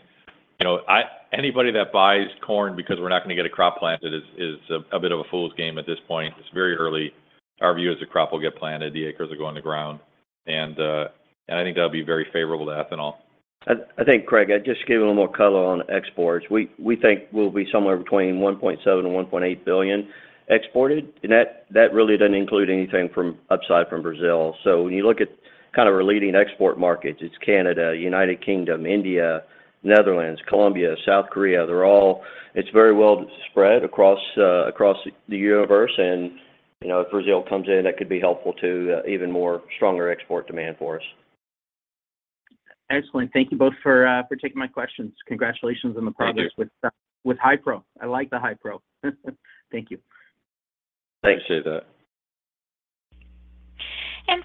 you know, anybody that buys corn because we're not going to get a crop planted is a bit of a fool's game at this point. It's very early. Our view is the crop will get planted, the acres will go on the ground, and I think that'll be very favorable to ethanol. I think, Craig, I'd just give a little more color on exports. We think we'll be somewhere between 1.7 and 1.8 billion exported, and that really doesn't include anything from upside from Brazil. So when you look at kind of our leading export markets, it's Canada, United Kingdom, India, Netherlands, Colombia, South Korea. They're all, it's very well spread across the universe, and, you know, if Brazil comes in, that could be helpful to even more stronger export demand for us. Excellent. Thank you both for, for taking my questions. Congratulations on the progress- Thank you. with high protein. I like the high protein. Thank you. Thanks. Appreciate that.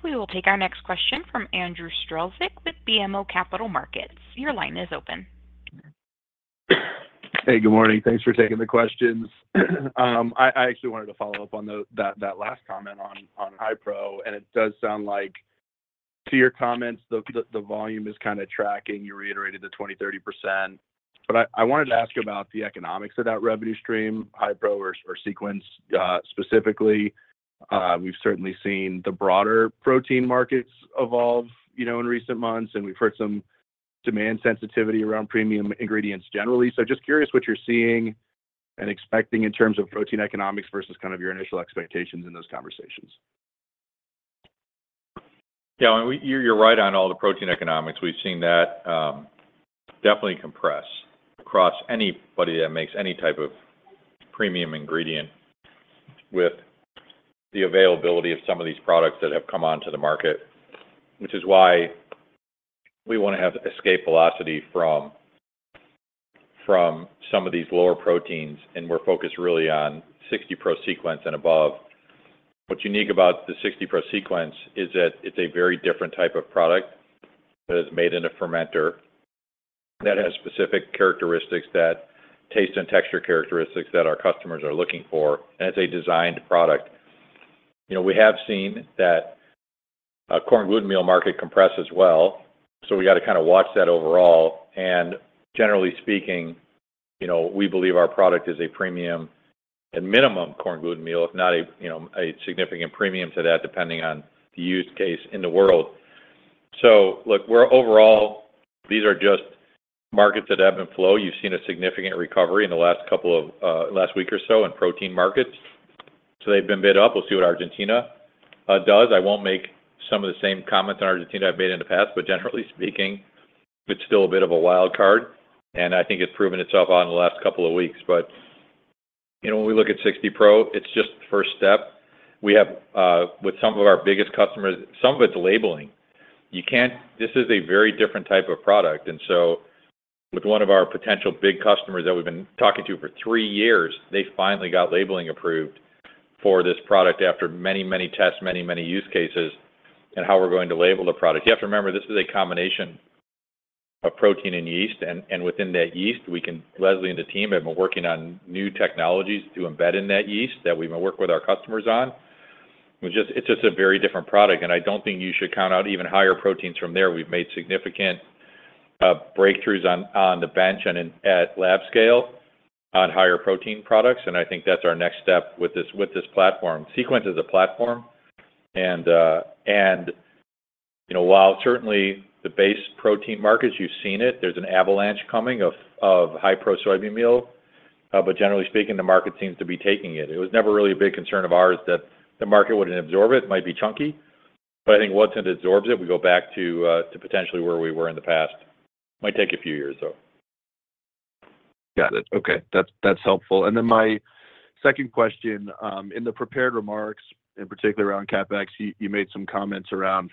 We will take our next question from Andrew Strelzik with BMO Capital Markets. Your line is open. Hey, good morning. Thanks for taking the questions. I actually wanted to follow up on that last comment on high pro, and it does sound like to your comments, the volume is kind of tracking. You reiterated the 20%-30%. But I wanted to ask about the economics of that revenue stream, high pro or Sequence, specifically. We've certainly seen the broader protein markets evolve, you know, in recent months, and we've heard some demand sensitivity around premium ingredients generally. So just curious what you're seeing and expecting in terms of protein economics versus kind of your initial expectations in those conversations. Yeah, and you're right on all the protein economics. We've seen that definitely compress across anybody that makes any type of premium ingredient with the availability of some of these products that have come onto the market, which is why we want to have escape velocity from some of these lower proteins, and we're focused really on 60% Sequence and above. What's unique about the 60% Sequence is that it's a very different type of product that is made in a fermenter, that has specific taste and texture characteristics that our customers are looking for as a designed product. You know, we have seen that a corn gluten meal market compress as well, so we got to kind of watch that overall. And generally speaking, you know, we believe our product is a premium and minimum corn gluten meal, if not a, you know, a significant premium to that, depending on the use case in the world. So look, we're overall, these are just markets that ebb and flow. You've seen a significant recovery in the last couple of last week or so in protein markets. So they've been bid up. We'll see what Argentina does. I won't make some of the same comments on Argentina I've made in the past, but generally speaking, it's still a bit of a wild card, and I think it's proven itself on the last couple of weeks. But, you know, when we look 60 pro, it's just the first step. We have, with some of our biggest customers, some of it's labeling. You can't—this is a very different type of product, and so with one of our potential big customers that we've been talking to for three years, they finally got labeling approved for this product after many, many tests, many, many use cases, and how we're going to label the product. You have to remember, this is a combination of protein and yeast, and within that yeast, we can—Leslie and the team have been working on new technologies to embed in that yeast that we can work with our customers on. It's just, it's just a very different product, and I don't think you should count out even higher proteins from there. We've made significant breakthroughs on the bench and at lab scale on higher protein products, and I think that's our next step with this platform. Sequence is a platform, and you know, while certainly the base protein markets, you've seen it, there's an avalanche coming of high pro soybean meal, but generally speaking, the market seems to be taking it. It was never really a big concern of ours that the market wouldn't absorb it. It might be chunky, but I think once it absorbs it, we go back to potentially where we were in the past. Might take a few years, though. Got it. Okay, that's, that's helpful. And then my second question, in the prepared remarks, in particular around CapEx, you, you made some comments around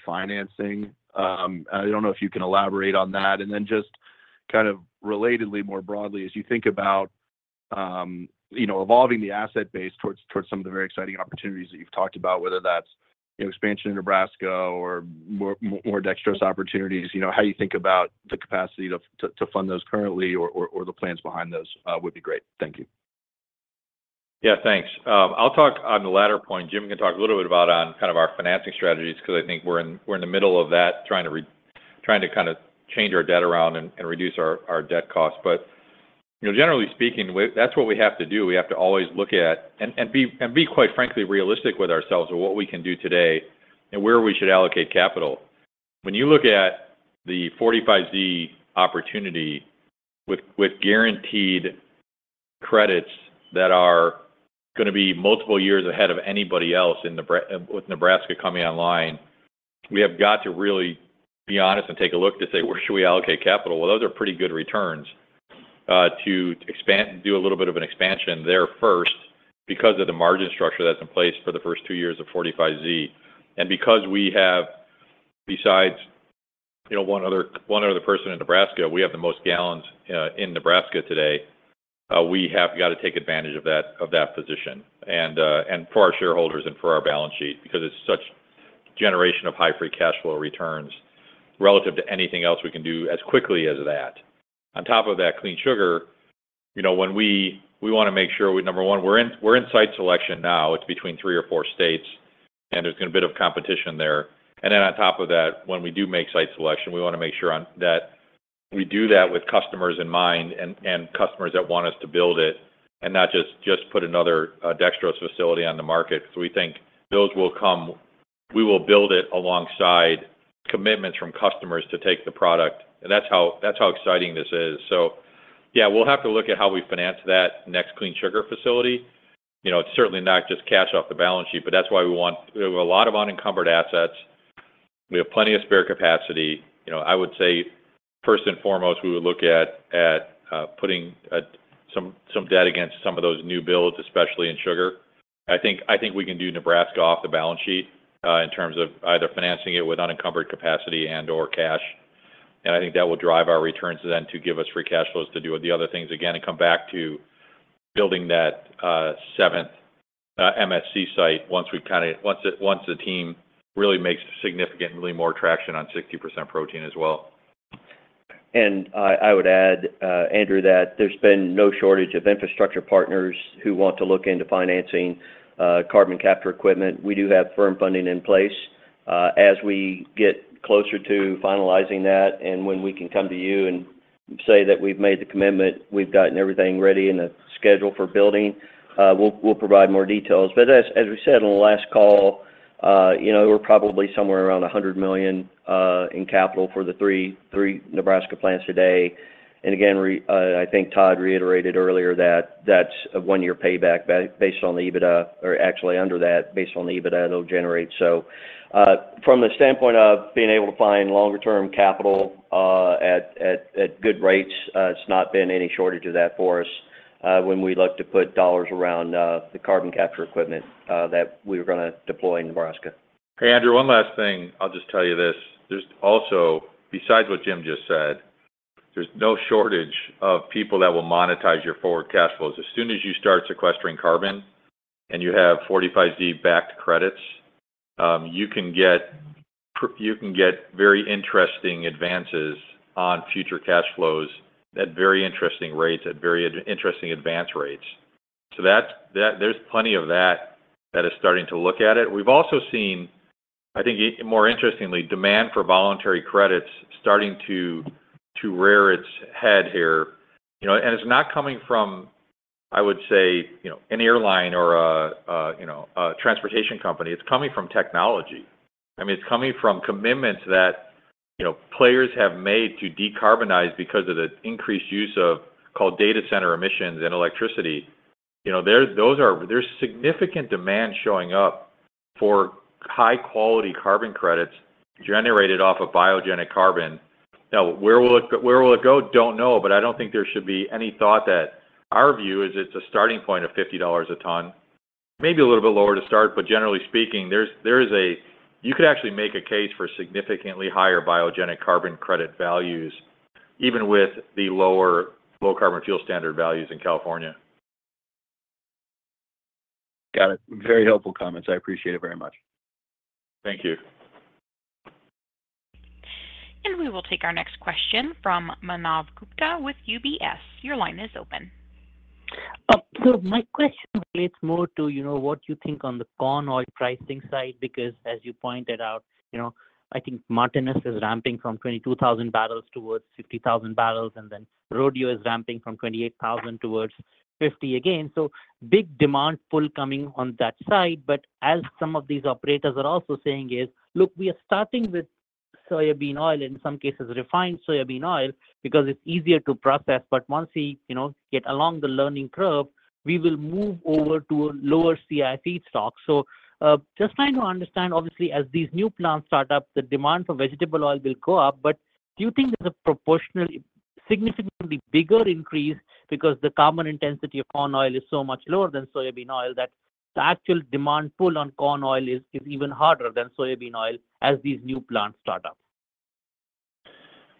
financing. I don't know if you can elaborate on that, and then just kind of relatedly, more broadly, as you think about, you know, evolving the asset base towards, towards some of the very exciting opportunities that you've talked about, whether that's expansion in Nebraska or more, more dextrose opportunities, you know, how you think about the capacity to, to, to fund those currently or, or, or the plans behind those, would be great. Thank you. Yeah, thanks. I'll talk on the latter point. Jim can talk a little bit about our financing strategies, because I think we're in the middle of that, trying to kind of change our debt around and reduce our debt cost. But, you know, generally speaking, we, that's what we have to do. We have to always look at and be quite frankly realistic with ourselves of what we can do today and where we should allocate capital. When you look at the 45Z opportunity with guaranteed credits that are going to be multiple years ahead of anybody else in Nebraska coming online, we have got to really be honest and take a look to say, where should we allocate capital? Well, those are pretty good returns to expand—do a little bit of an expansion there first, because of the margin structure that's in place for the first two years of 45Z. And because we have, besides, you know, one other person in Nebraska, we have the most gallons in Nebraska today. We have got to take advantage of that position, and for our shareholders and for our balance sheet, because it's such generation of high free cash flow returns relative to anything else we can do as quickly as that. On top of that, clean sugar, you know, when we want to make sure we number one, we're in site selection now. It's between three or four states, and there's been a bit of competition there. And then on top of that, when we do make site selection, we want to make sure that we do that with customers in mind and customers that want us to build it, and not just put another dextrose facility on the market. So we think those will come—we will build it alongside commitments from customers to take the product, and that's how exciting this is. So yeah, we'll have to look at how we finance that next clean sugar facility. You know, it's certainly not just cash off the balance sheet, but that's why we want... We have a lot of unencumbered assets. We have plenty of spare capacity. You know, I would say, first and foremost, we would look at putting some debt against some of those new builds, especially in sugar. I think, I think we can do Nebraska off the balance sheet, in terms of either financing it with unencumbered capacity and/or cash. And I think that will drive our returns then to give us free cash flows to do the other things again, and come back to building that, seventh, MSC site once the team really makes significantly more traction on 60% protein as well. And I would add, Andrew, that there's been no shortage of infrastructure partners who want to look into financing carbon capture equipment. We do have firm funding in place. As we get closer to finalizing that, and when we can come to you and say that we've made the commitment, we've gotten everything ready and a schedule for building, we'll provide more details. But as we said on the last call, you know, we're probably somewhere around $100 million in capital for the three Nebraska plants today. And again, I think Todd reiterated earlier that that's a one-year payback based on the EBITDA, or actually under that, based on the EBITDA it'll generate. So, from the standpoint of being able to find longer-term capital, at good rates, it's not been any shortage of that for us, when we'd look to put dollars around, the carbon capture equipment, that we were going to deploy in Nebraska. Hey, Andrew, one last thing. I'll just tell you this. There's also, besides what Jim just said, there's no shortage of people that will monetize your forward cash flows. As soon as you start sequestering carbon and you have 45Z backed credits, you can get very interesting advances on future cash flows at very interesting rates, at very interesting advance rates. So that's that. There's plenty of that that is starting to look at it. We've also seen, I think, more interestingly, demand for voluntary credits starting to rear its head here. You know, and it's not coming from, I would say, you know, an airline or a transportation company. It's coming from technology. I mean, it's coming from commitments that, you know, players have made to decarbonize because of the increased use of called data center emissions and electricity. You know, there. Those are. There's significant demand showing up for high-quality carbon credits generated off of biogenic carbon. Now, where will it, where will it go? Don't know, but I don't think there should be any thought that our view is it's a starting point of $50 a ton. Maybe a little bit lower to start, but generally speaking, you could actually make a case for significantly higher biogenic carbon credit values, even with the lower Low Carbon Fuel Standard values in California. Got it. Very helpful comments. I appreciate it very much. Thank you. We will take our next question from Manav Gupta with UBS. Your line is open. So my question relates more to, you know, what you think on the corn oil pricing side, because as you pointed out, you know, I think Martinez is ramping from 22,000 barrels towards 50,000 barrels, and then Rodeo is ramping from 28,000 towards 50,000 again. So big demand pull coming on that side. But as some of these operators are also saying is, "Look, we are starting with soybean oil, in some cases, refined soybean oil, because it's easier to process, but once we, you know, get along the learning curve, we will move over to a lower CI feedstock." So, just trying to understand, obviously, as these new plants start up, the demand for vegetable oil will go up, but do you think there's a proportionally significantly bigger increase because the carbon intensity of corn oil is so much lower than soybean oil, that the actual demand pull on corn oil is, is even harder than soybean oil as these new plants start up?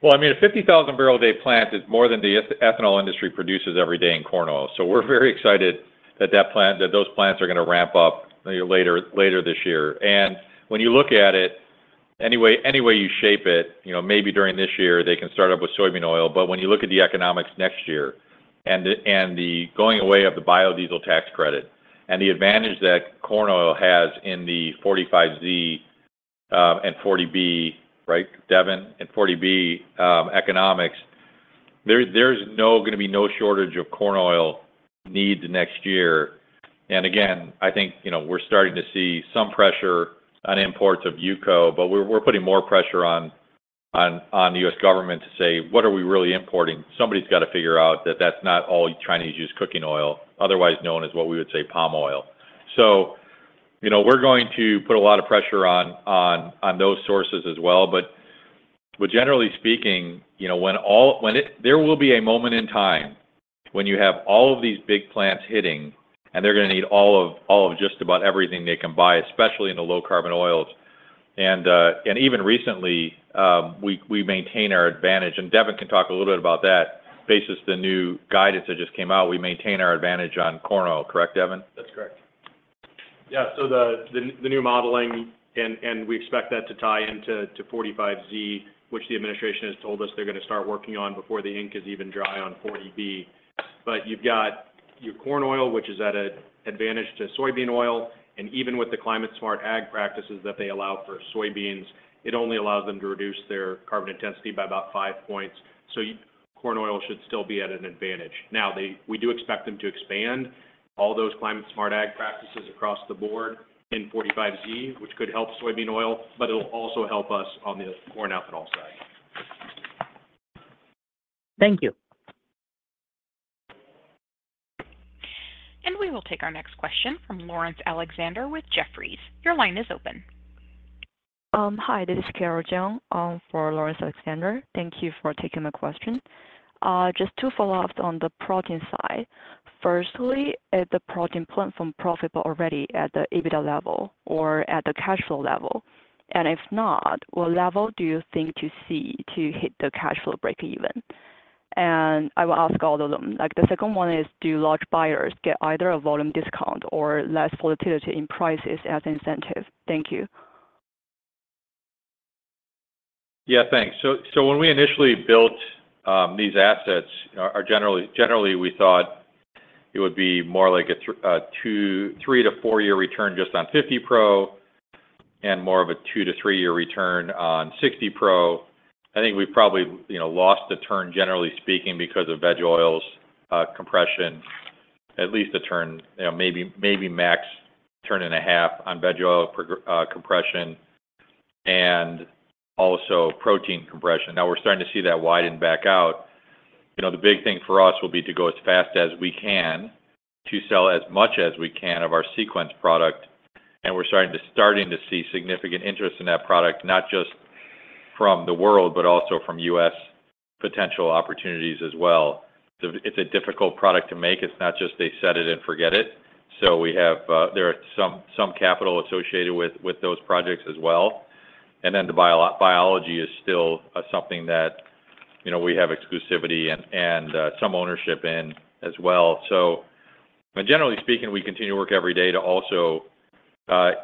Well, I mean, a 50,000-barrel-a-day plant is more than the ethanol industry produces every day in corn oil. So we're very excited that those plants are going to ramp up later this year. And when you look at it, any way you shape it, you know, maybe during this year, they can start up with soybean oil. But when you look at the economics next year, and the going away of the biodiesel tax credit, and the advantage that corn oil has in the 45Z and 40B, right, Devin? And 40B economics, there's no going to be no shortage of corn oil needs next year. And again, I think, you know, we're starting to see some pressure on imports of UCO, but we're putting more pressure on-... On the U.S. government to say, "What are we really importing?" Somebody's got to figure out that that's not all Chinese used cooking oil, otherwise known as what we would say, palm oil. So, you know, we're going to put a lot of pressure on those sources as well. But generally speaking, you know, there will be a moment in time when you have all of these big plants hitting, and they're going to need all of just about everything they can buy, especially in the low-carbon oils. And even recently, we maintain our advantage, and Devin can talk a little bit about that. Based on the new guidance that just came out, we maintain our advantage on corn oil. Correct, Devin? That's correct. Yeah, so the new modeling, and we expect that to tie into 45Z, which the administration has told us they're going to start working on before the ink is even dry on 40B. But you've got your corn oil, which is at an advantage to soybean oil, and even with the climate smart ag practices that they allow for soybeans, it only allows them to reduce their carbon intensity by about five points. So corn oil should still be at an advantage. Now, they—we do expect them to expand all those climate smart ag practices across the board in 45Z, which could help soybean oil, but it'll also help us on the corn alcohol side. Thank you. We will take our next question from Lawrence Alexander with Jefferies. Your line is open. Hi, this is Carol Jiang for Lawrence Alexander. Thank you for taking my question. Just two follow-ups on the protein side. Firstly, is the protein platform profitable already at the EBITDA level or at the cash flow level? And if not, what level do you think to see to hit the cash flow breakeven? And I will ask all of them. Like, the second one is, do large buyers get either a volume discount or less volatility in prices as incentive? Thank you. Yeah, thanks. So when we initially built these assets, generally, we thought it would be more like a two to three to four-year return just 50 pro and more of a two to three year return 60 pro. i think we probably, you know, lost the turn, generally speaking, because of veg oils compression, at least a turn, you know, maybe max turn and a half on veg oil pro- compression and also protein compression. Now, we're starting to see that widen back out. You know, the big thing for us will be to go as fast as we can, to sell as much as we can of our Sequence product, and we're starting to see significant interest in that product, not just from the world, but also from U.S. potential opportunities as well. So it's a difficult product to make. It's not just they set it and forget it. So we have some capital associated with those projects as well. And then the biology is still something that, you know, we have exclusivity and some ownership in as well. So but generally speaking, we continue to work every day to also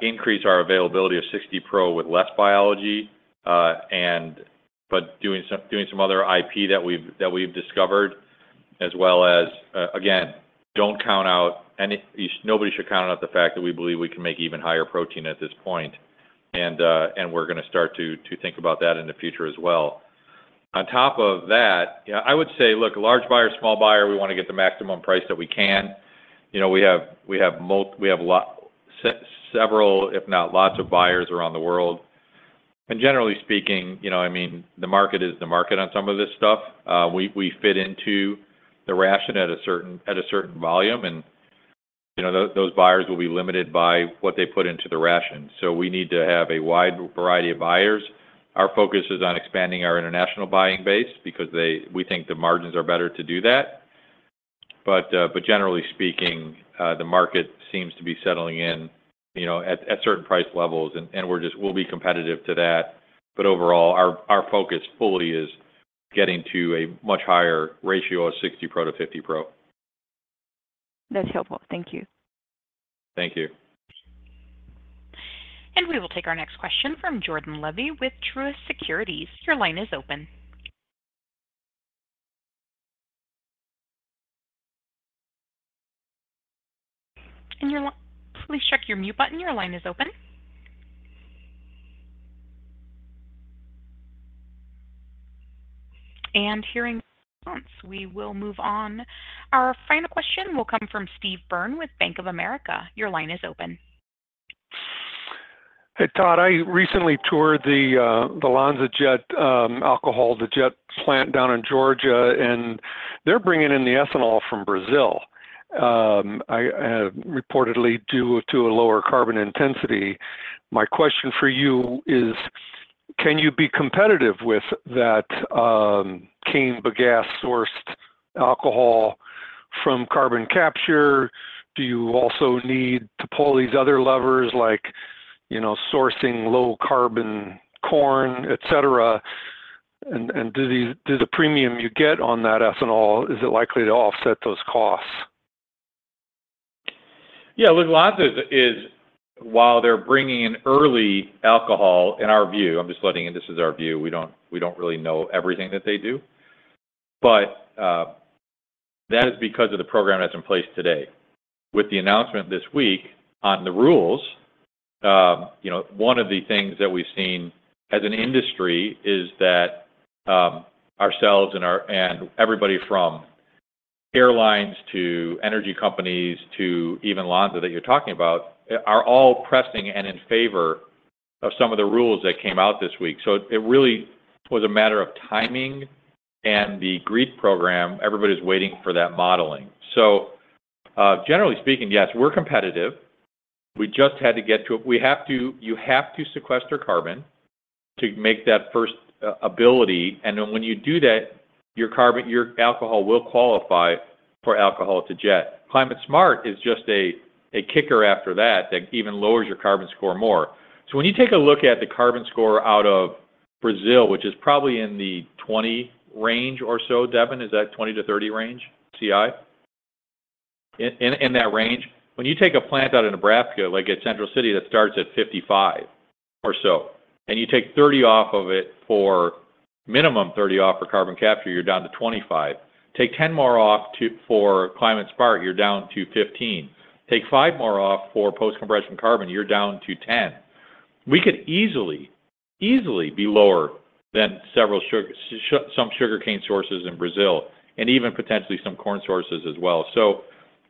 increase our availability 60 pro with less biology, and but doing some other IP that we've discovered, as well as, again, don't count out any-- nobody should count out the fact that we believe we can make even higher protein at this point. And we're going to start to think about that in the future as well. On top of that, yeah, I would say, look, large buyer, small buyer, we want to get the maximum price that we can. You know, we have several, if not lots of buyers around the world. And generally speaking, you know, I mean, the market is the market on some of this stuff. We fit into the ration at a certain volume, and, you know, those buyers will be limited by what they put into the ration. So we need to have a wide variety of buyers. Our focus is on expanding our international buying base because we think the margins are better to do that. But generally speaking, the market seems to be settling in, you know, at certain price levels, and we'll be competitive to that. Overall, our focus fully is getting to a much higher ratio 60 pro to 50 pro. That's helpful. Thank you. Thank you. We will take our next question from Jordan Levy with Truist Securities. Your line is open. And please check your mute button. Your line is open. And hearing no response, we will move on. Our final question will come from Steve Byrne with Bank of America. Your line is open. Hey, Todd, I recently toured the LanzaJet alcohol-to-jet plant down in Georgia, and they're bringing in the ethanol from Brazil, reportedly due to a lower carbon intensity. My question for you is: can you be competitive with that cane bagasse-sourced alcohol from carbon capture? Do you also need to pull these other levers, like, you know, sourcing low carbon corn, et cetera? And, and do these—do the premium you get on that ethanol, is it likely to offset those costs? Yeah, look, Lanza is, while they're bringing in early alcohol, in our view, I'm just letting you, this is our view. We don't, we don't really know everything that they do, but that is because of the program that's in place today. With the announcement this week on the rules, you know, one of the things that we've seen as an industry is that ourselves and everybody from airlines to energy companies, to even Lanza that you're talking about, are all pressing and in favor of some of the rules that came out this week. So it really was a matter of timing and the GREET program, everybody's waiting for that modeling. So, generally speaking, yes, we're competitive. We just had to get to it. You have to sequester carbon to make that first ability, and then when you do that, your alcohol will qualify for alcohol-to-jet. Climate Smart is just a kicker after that, that even lowers your carbon score more. So when you take a look at the carbon score out of Brazil, which is probably in the 20 range or so, Devin, is that 20-30 range, CI? In that range. When you take a plant out of Nebraska, like at Central City, that starts at 55 or so, and you take 30 off of it for minimum 30 off for carbon capture, you're down to 25. Take 10 more off for Climate Smart, you're down to 15. Take five more off for post compression carbon, you're down to 10. We could easily, easily be lower than several sugar, some sugarcane sources in Brazil, and even potentially some corn sources as well.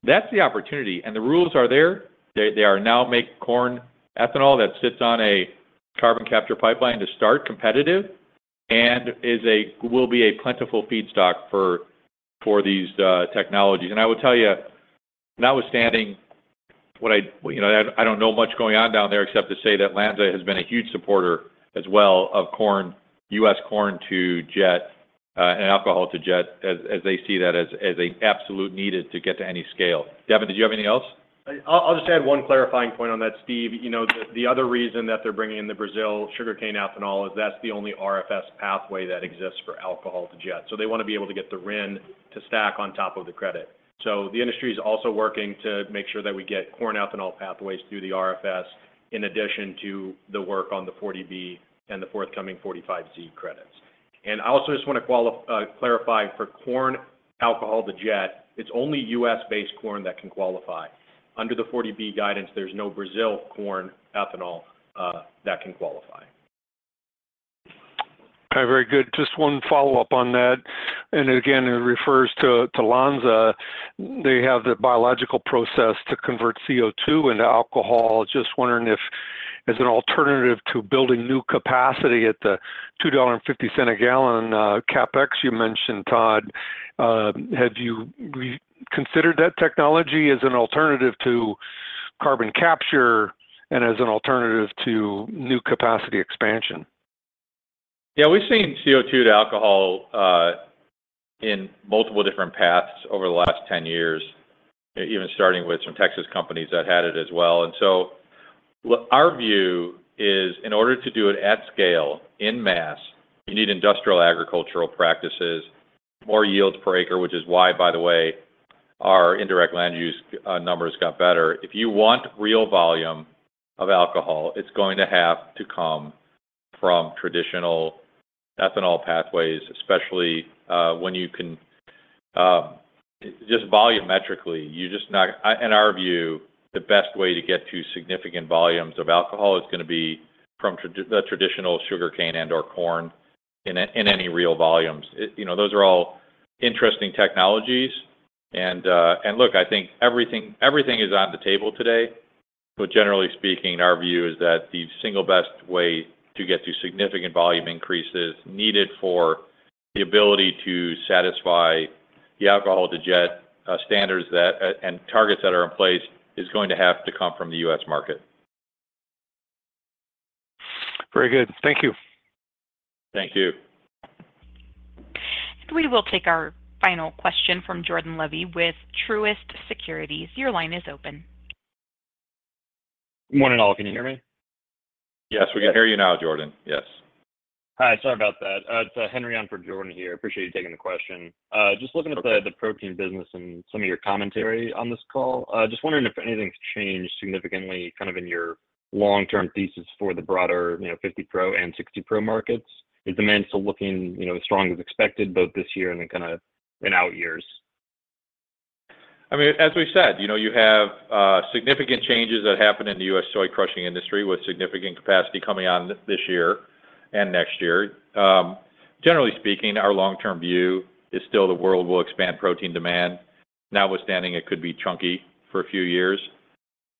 So that's the opportunity, and the rules are there. They, they are now make corn ethanol that sits on a carbon capture pipeline to start competitive, and will be a plentiful feedstock for, for these technologies. And I will tell you, notwithstanding, what I, you know, I don't know much going on down there except to say that Lanza has been a huge supporter as well, of corn, U.S. corn to jet, and alcohol-to-jet, as, as they see that as, as a absolute needed to get to any scale. Devin, did you have anything else? I'll just add one clarifying point on that, Steve. You know, the other reason that they're bringing in the Brazil sugarcane ethanol is that's the only RFS pathway that exists for alcohol-to-jet. So they wanna be able to get the RIN to stack on top of the credit. So the industry is also working to make sure that we get corn ethanol pathways through the RFS, in addition to the work on the 40B and the forthcoming 45Z credits. And I also just want to clarify for corn alcohol-to-jet, it's only U.S.-based corn that can qualify. Under the 40B guidance, there's no Brazil corn ethanol that can qualify. Okay, very good. Just one follow-up on that, and again, it refers to, to Lanza. They have the biological process to convert CO2 into alcohol. Just wondering if, as an alternative to building new capacity at the $2.50 a gallon CapEx you mentioned, Todd, have you reconsidered that technology as an alternative to carbon capture and as an alternative to new capacity expansion? Yeah, we've seen CO2 to alcohol in multiple different paths over the last 10 years, even starting with some Texas companies that had it as well. And so our view is in order to do it at scale, in mass, you need industrial agricultural practices, more yields per acre, which is why, by the way, our indirect land use numbers got better. If you want real volume of alcohol, it's going to have to come from traditional ethanol pathways, especially when you can. Just volumetrically, you're just not. In our view, the best way to get to significant volumes of alcohol is gonna be from the traditional sugarcane and/or corn in any real volumes. You know, those are all interesting technologies, and, and look, I think everything, everything is on the table today. But generally speaking, our view is that the single best way to get to significant volume increases needed for the ability to satisfy the alcohol-to-jet standards that and targets that are in place is going to have to come from the U.S. market. Very good. Thank you. Thank you. We will take our final question from Jordan Levy with Truist Securities. Your line is open. Morning, all. Can you hear me? Yes, we can hear you now, Jordan. Yes. Hi, sorry about that. It's Henry on for Jordan here. Appreciate you taking the question. Just looking at the protein business and some of your commentary on this call, I just wondering if anything's changed significantly, kind of in your long-term thesis for the broader, you 60 pro markets. Is demand still looking, you know, as strong as expected, both this year and then kinda in out years? I mean, as we've said, you know, you have significant changes that happened in the U.S. soy crushing industry with significant capacity coming on this year and next year. Generally speaking, our long-term view is still the world will expand protein demand, notwithstanding it could be chunky for a few years.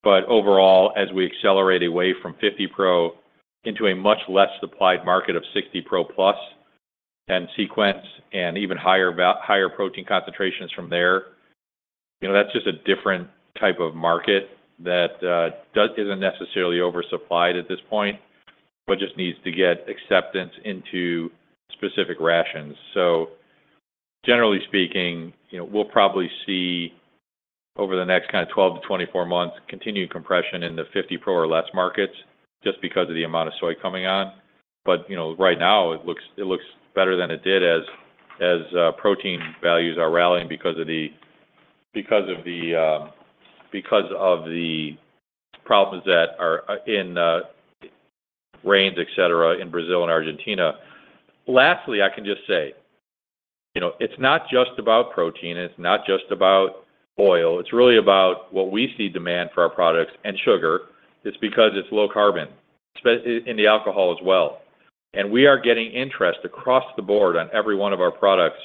But overall, as we accelerate away 50 pro into a much less supplied market 60 pro plus, and Sequence and even higher higher protein concentrations from there, you know, that's just a different type of market that isn't necessarily oversupplied at this point, but just needs to get acceptance into specific rations. So generally speaking, you know, we'll probably see over the next kinda 12-24 months, continued compression in 50 pro or less markets, just because of the amount of soy coming on. But, you know, right now, it looks better than it did as protein values are rallying because of the problems that are in grains, et cetera, in Brazil and Argentina. Lastly, I can just say, you know, it's not just about protein, it's not just about oil, it's really about what we see demand for our products, and sugar, it's because it's low carbon, especially in the alcohol as well. And we are getting interest across the Board on every one of our products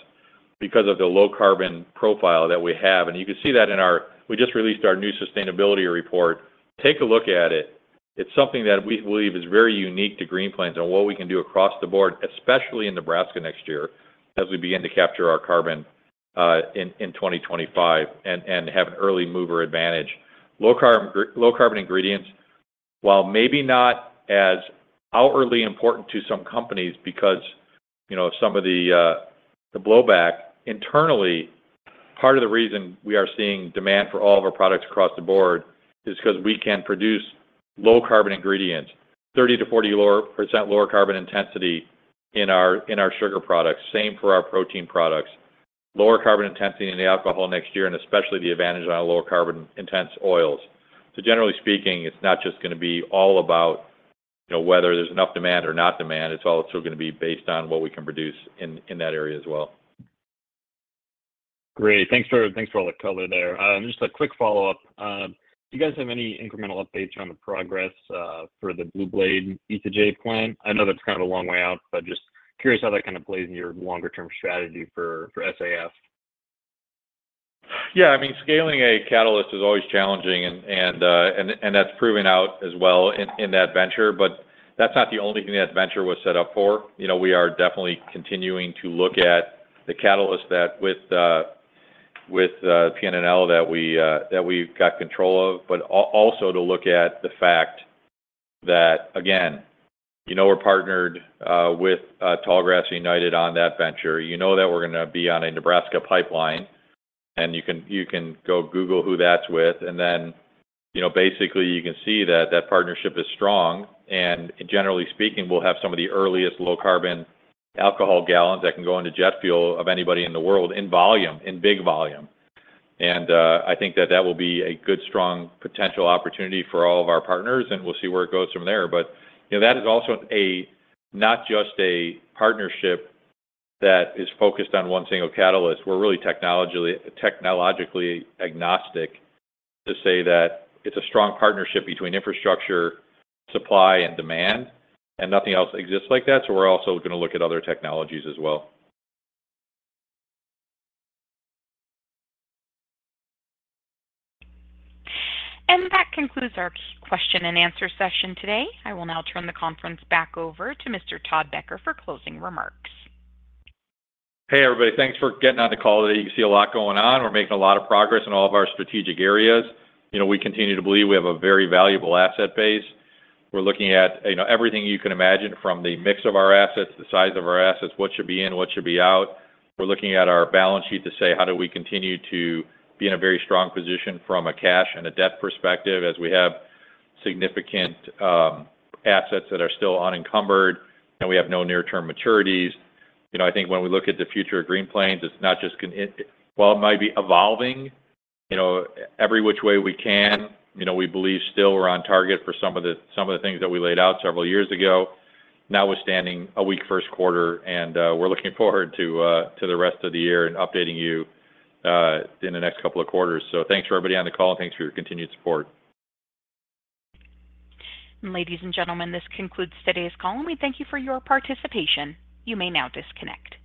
because of the low carbon profile that we have. And you can see that in our - We just released our new sustainability report. Take a look at it. It's something that we believe is very unique to Green Plains and what we can do across the board, especially in Nebraska next year, as we begin to capture our carbon in 2025 and have an early mover advantage. Low carbon, low carbon ingredients, while maybe not as outwardly important to some companies because, you know, some of the, the blowback internally, part of the reason we are seeing demand for all of our products across the board is 'cause we can produce low carbon ingredients, 30%-40% lower carbon intensity in our sugar products. Same for our protein products. Lower carbon intensity in the alcohol next year, and especially the advantage on our lower carbon-intensive oils. So generally speaking, it's not just gonna be all about, you know, whether there's enough demand or not demand. It's also gonna be based on what we can produce in that area as well. Great. Thanks for all the color there. Just a quick follow-up. Do you guys have any incremental updates on the progress for the Blue Blade ATJ plant? I know that's kind of a long way out, but just curious how that kind of plays into your longer-term strategy for SAF. Yeah, I mean, scaling a catalyst is always challenging, and that's proven out as well in that venture. But that's not the only thing that venture was set up for. You know, we are definitely continuing to look at the catalyst that with the with PNNL that we've got control of. But also to look at the fact that, again, you know, we're partnered with Tallgrass, United on that venture. You know that we're gonna be on a Nebraska pipeline, and you can go google who that's with, and then, you know, basically, you can see that that partnership is strong, and generally speaking, we'll have some of the earliest low-carbon alcohol gallons that can go into jet fuel of anybody in the world, in volume, in big volume. I think that that will be a good, strong potential opportunity for all of our partners, and we'll see where it goes from there. You know, that is also not just a partnership that is focused on one single catalyst. We're really technologically agnostic to say that it's a strong partnership between infrastructure, supply, and demand, and nothing else exists like that, so we're also gonna look at other technologies as well. That concludes our question and answer session today. I will now turn the conference back over to Mr. Todd Becker for closing remarks. Hey, everybody, thanks for getting on the call today. You can see a lot going on. We're making a lot of progress in all of our strategic areas. You know, we continue to believe we have a very valuable asset base. We're looking at, you know, everything you can imagine from the mix of our assets, the size of our assets, what should be in, what should be out. We're looking at our balance sheet to say: How do we continue to be in a very strong position from a cash and a debt perspective, as we have significant assets that are still unencumbered, and we have no near-term maturities? You know, I think when we look at the future of Green Plains, it's not just. While it might be evolving, you know, every which way we can, you know, we believe still we're on target for some of the, some of the things that we laid out several years ago, notwithstanding a weak first quarter, and we're looking forward to the rest of the year and updating you in the next couple of quarters. So thanks for everybody on the call, and thanks for your continued support. Ladies and gentlemen, this concludes today's call, and we thank you for your participation. You may now disconnect.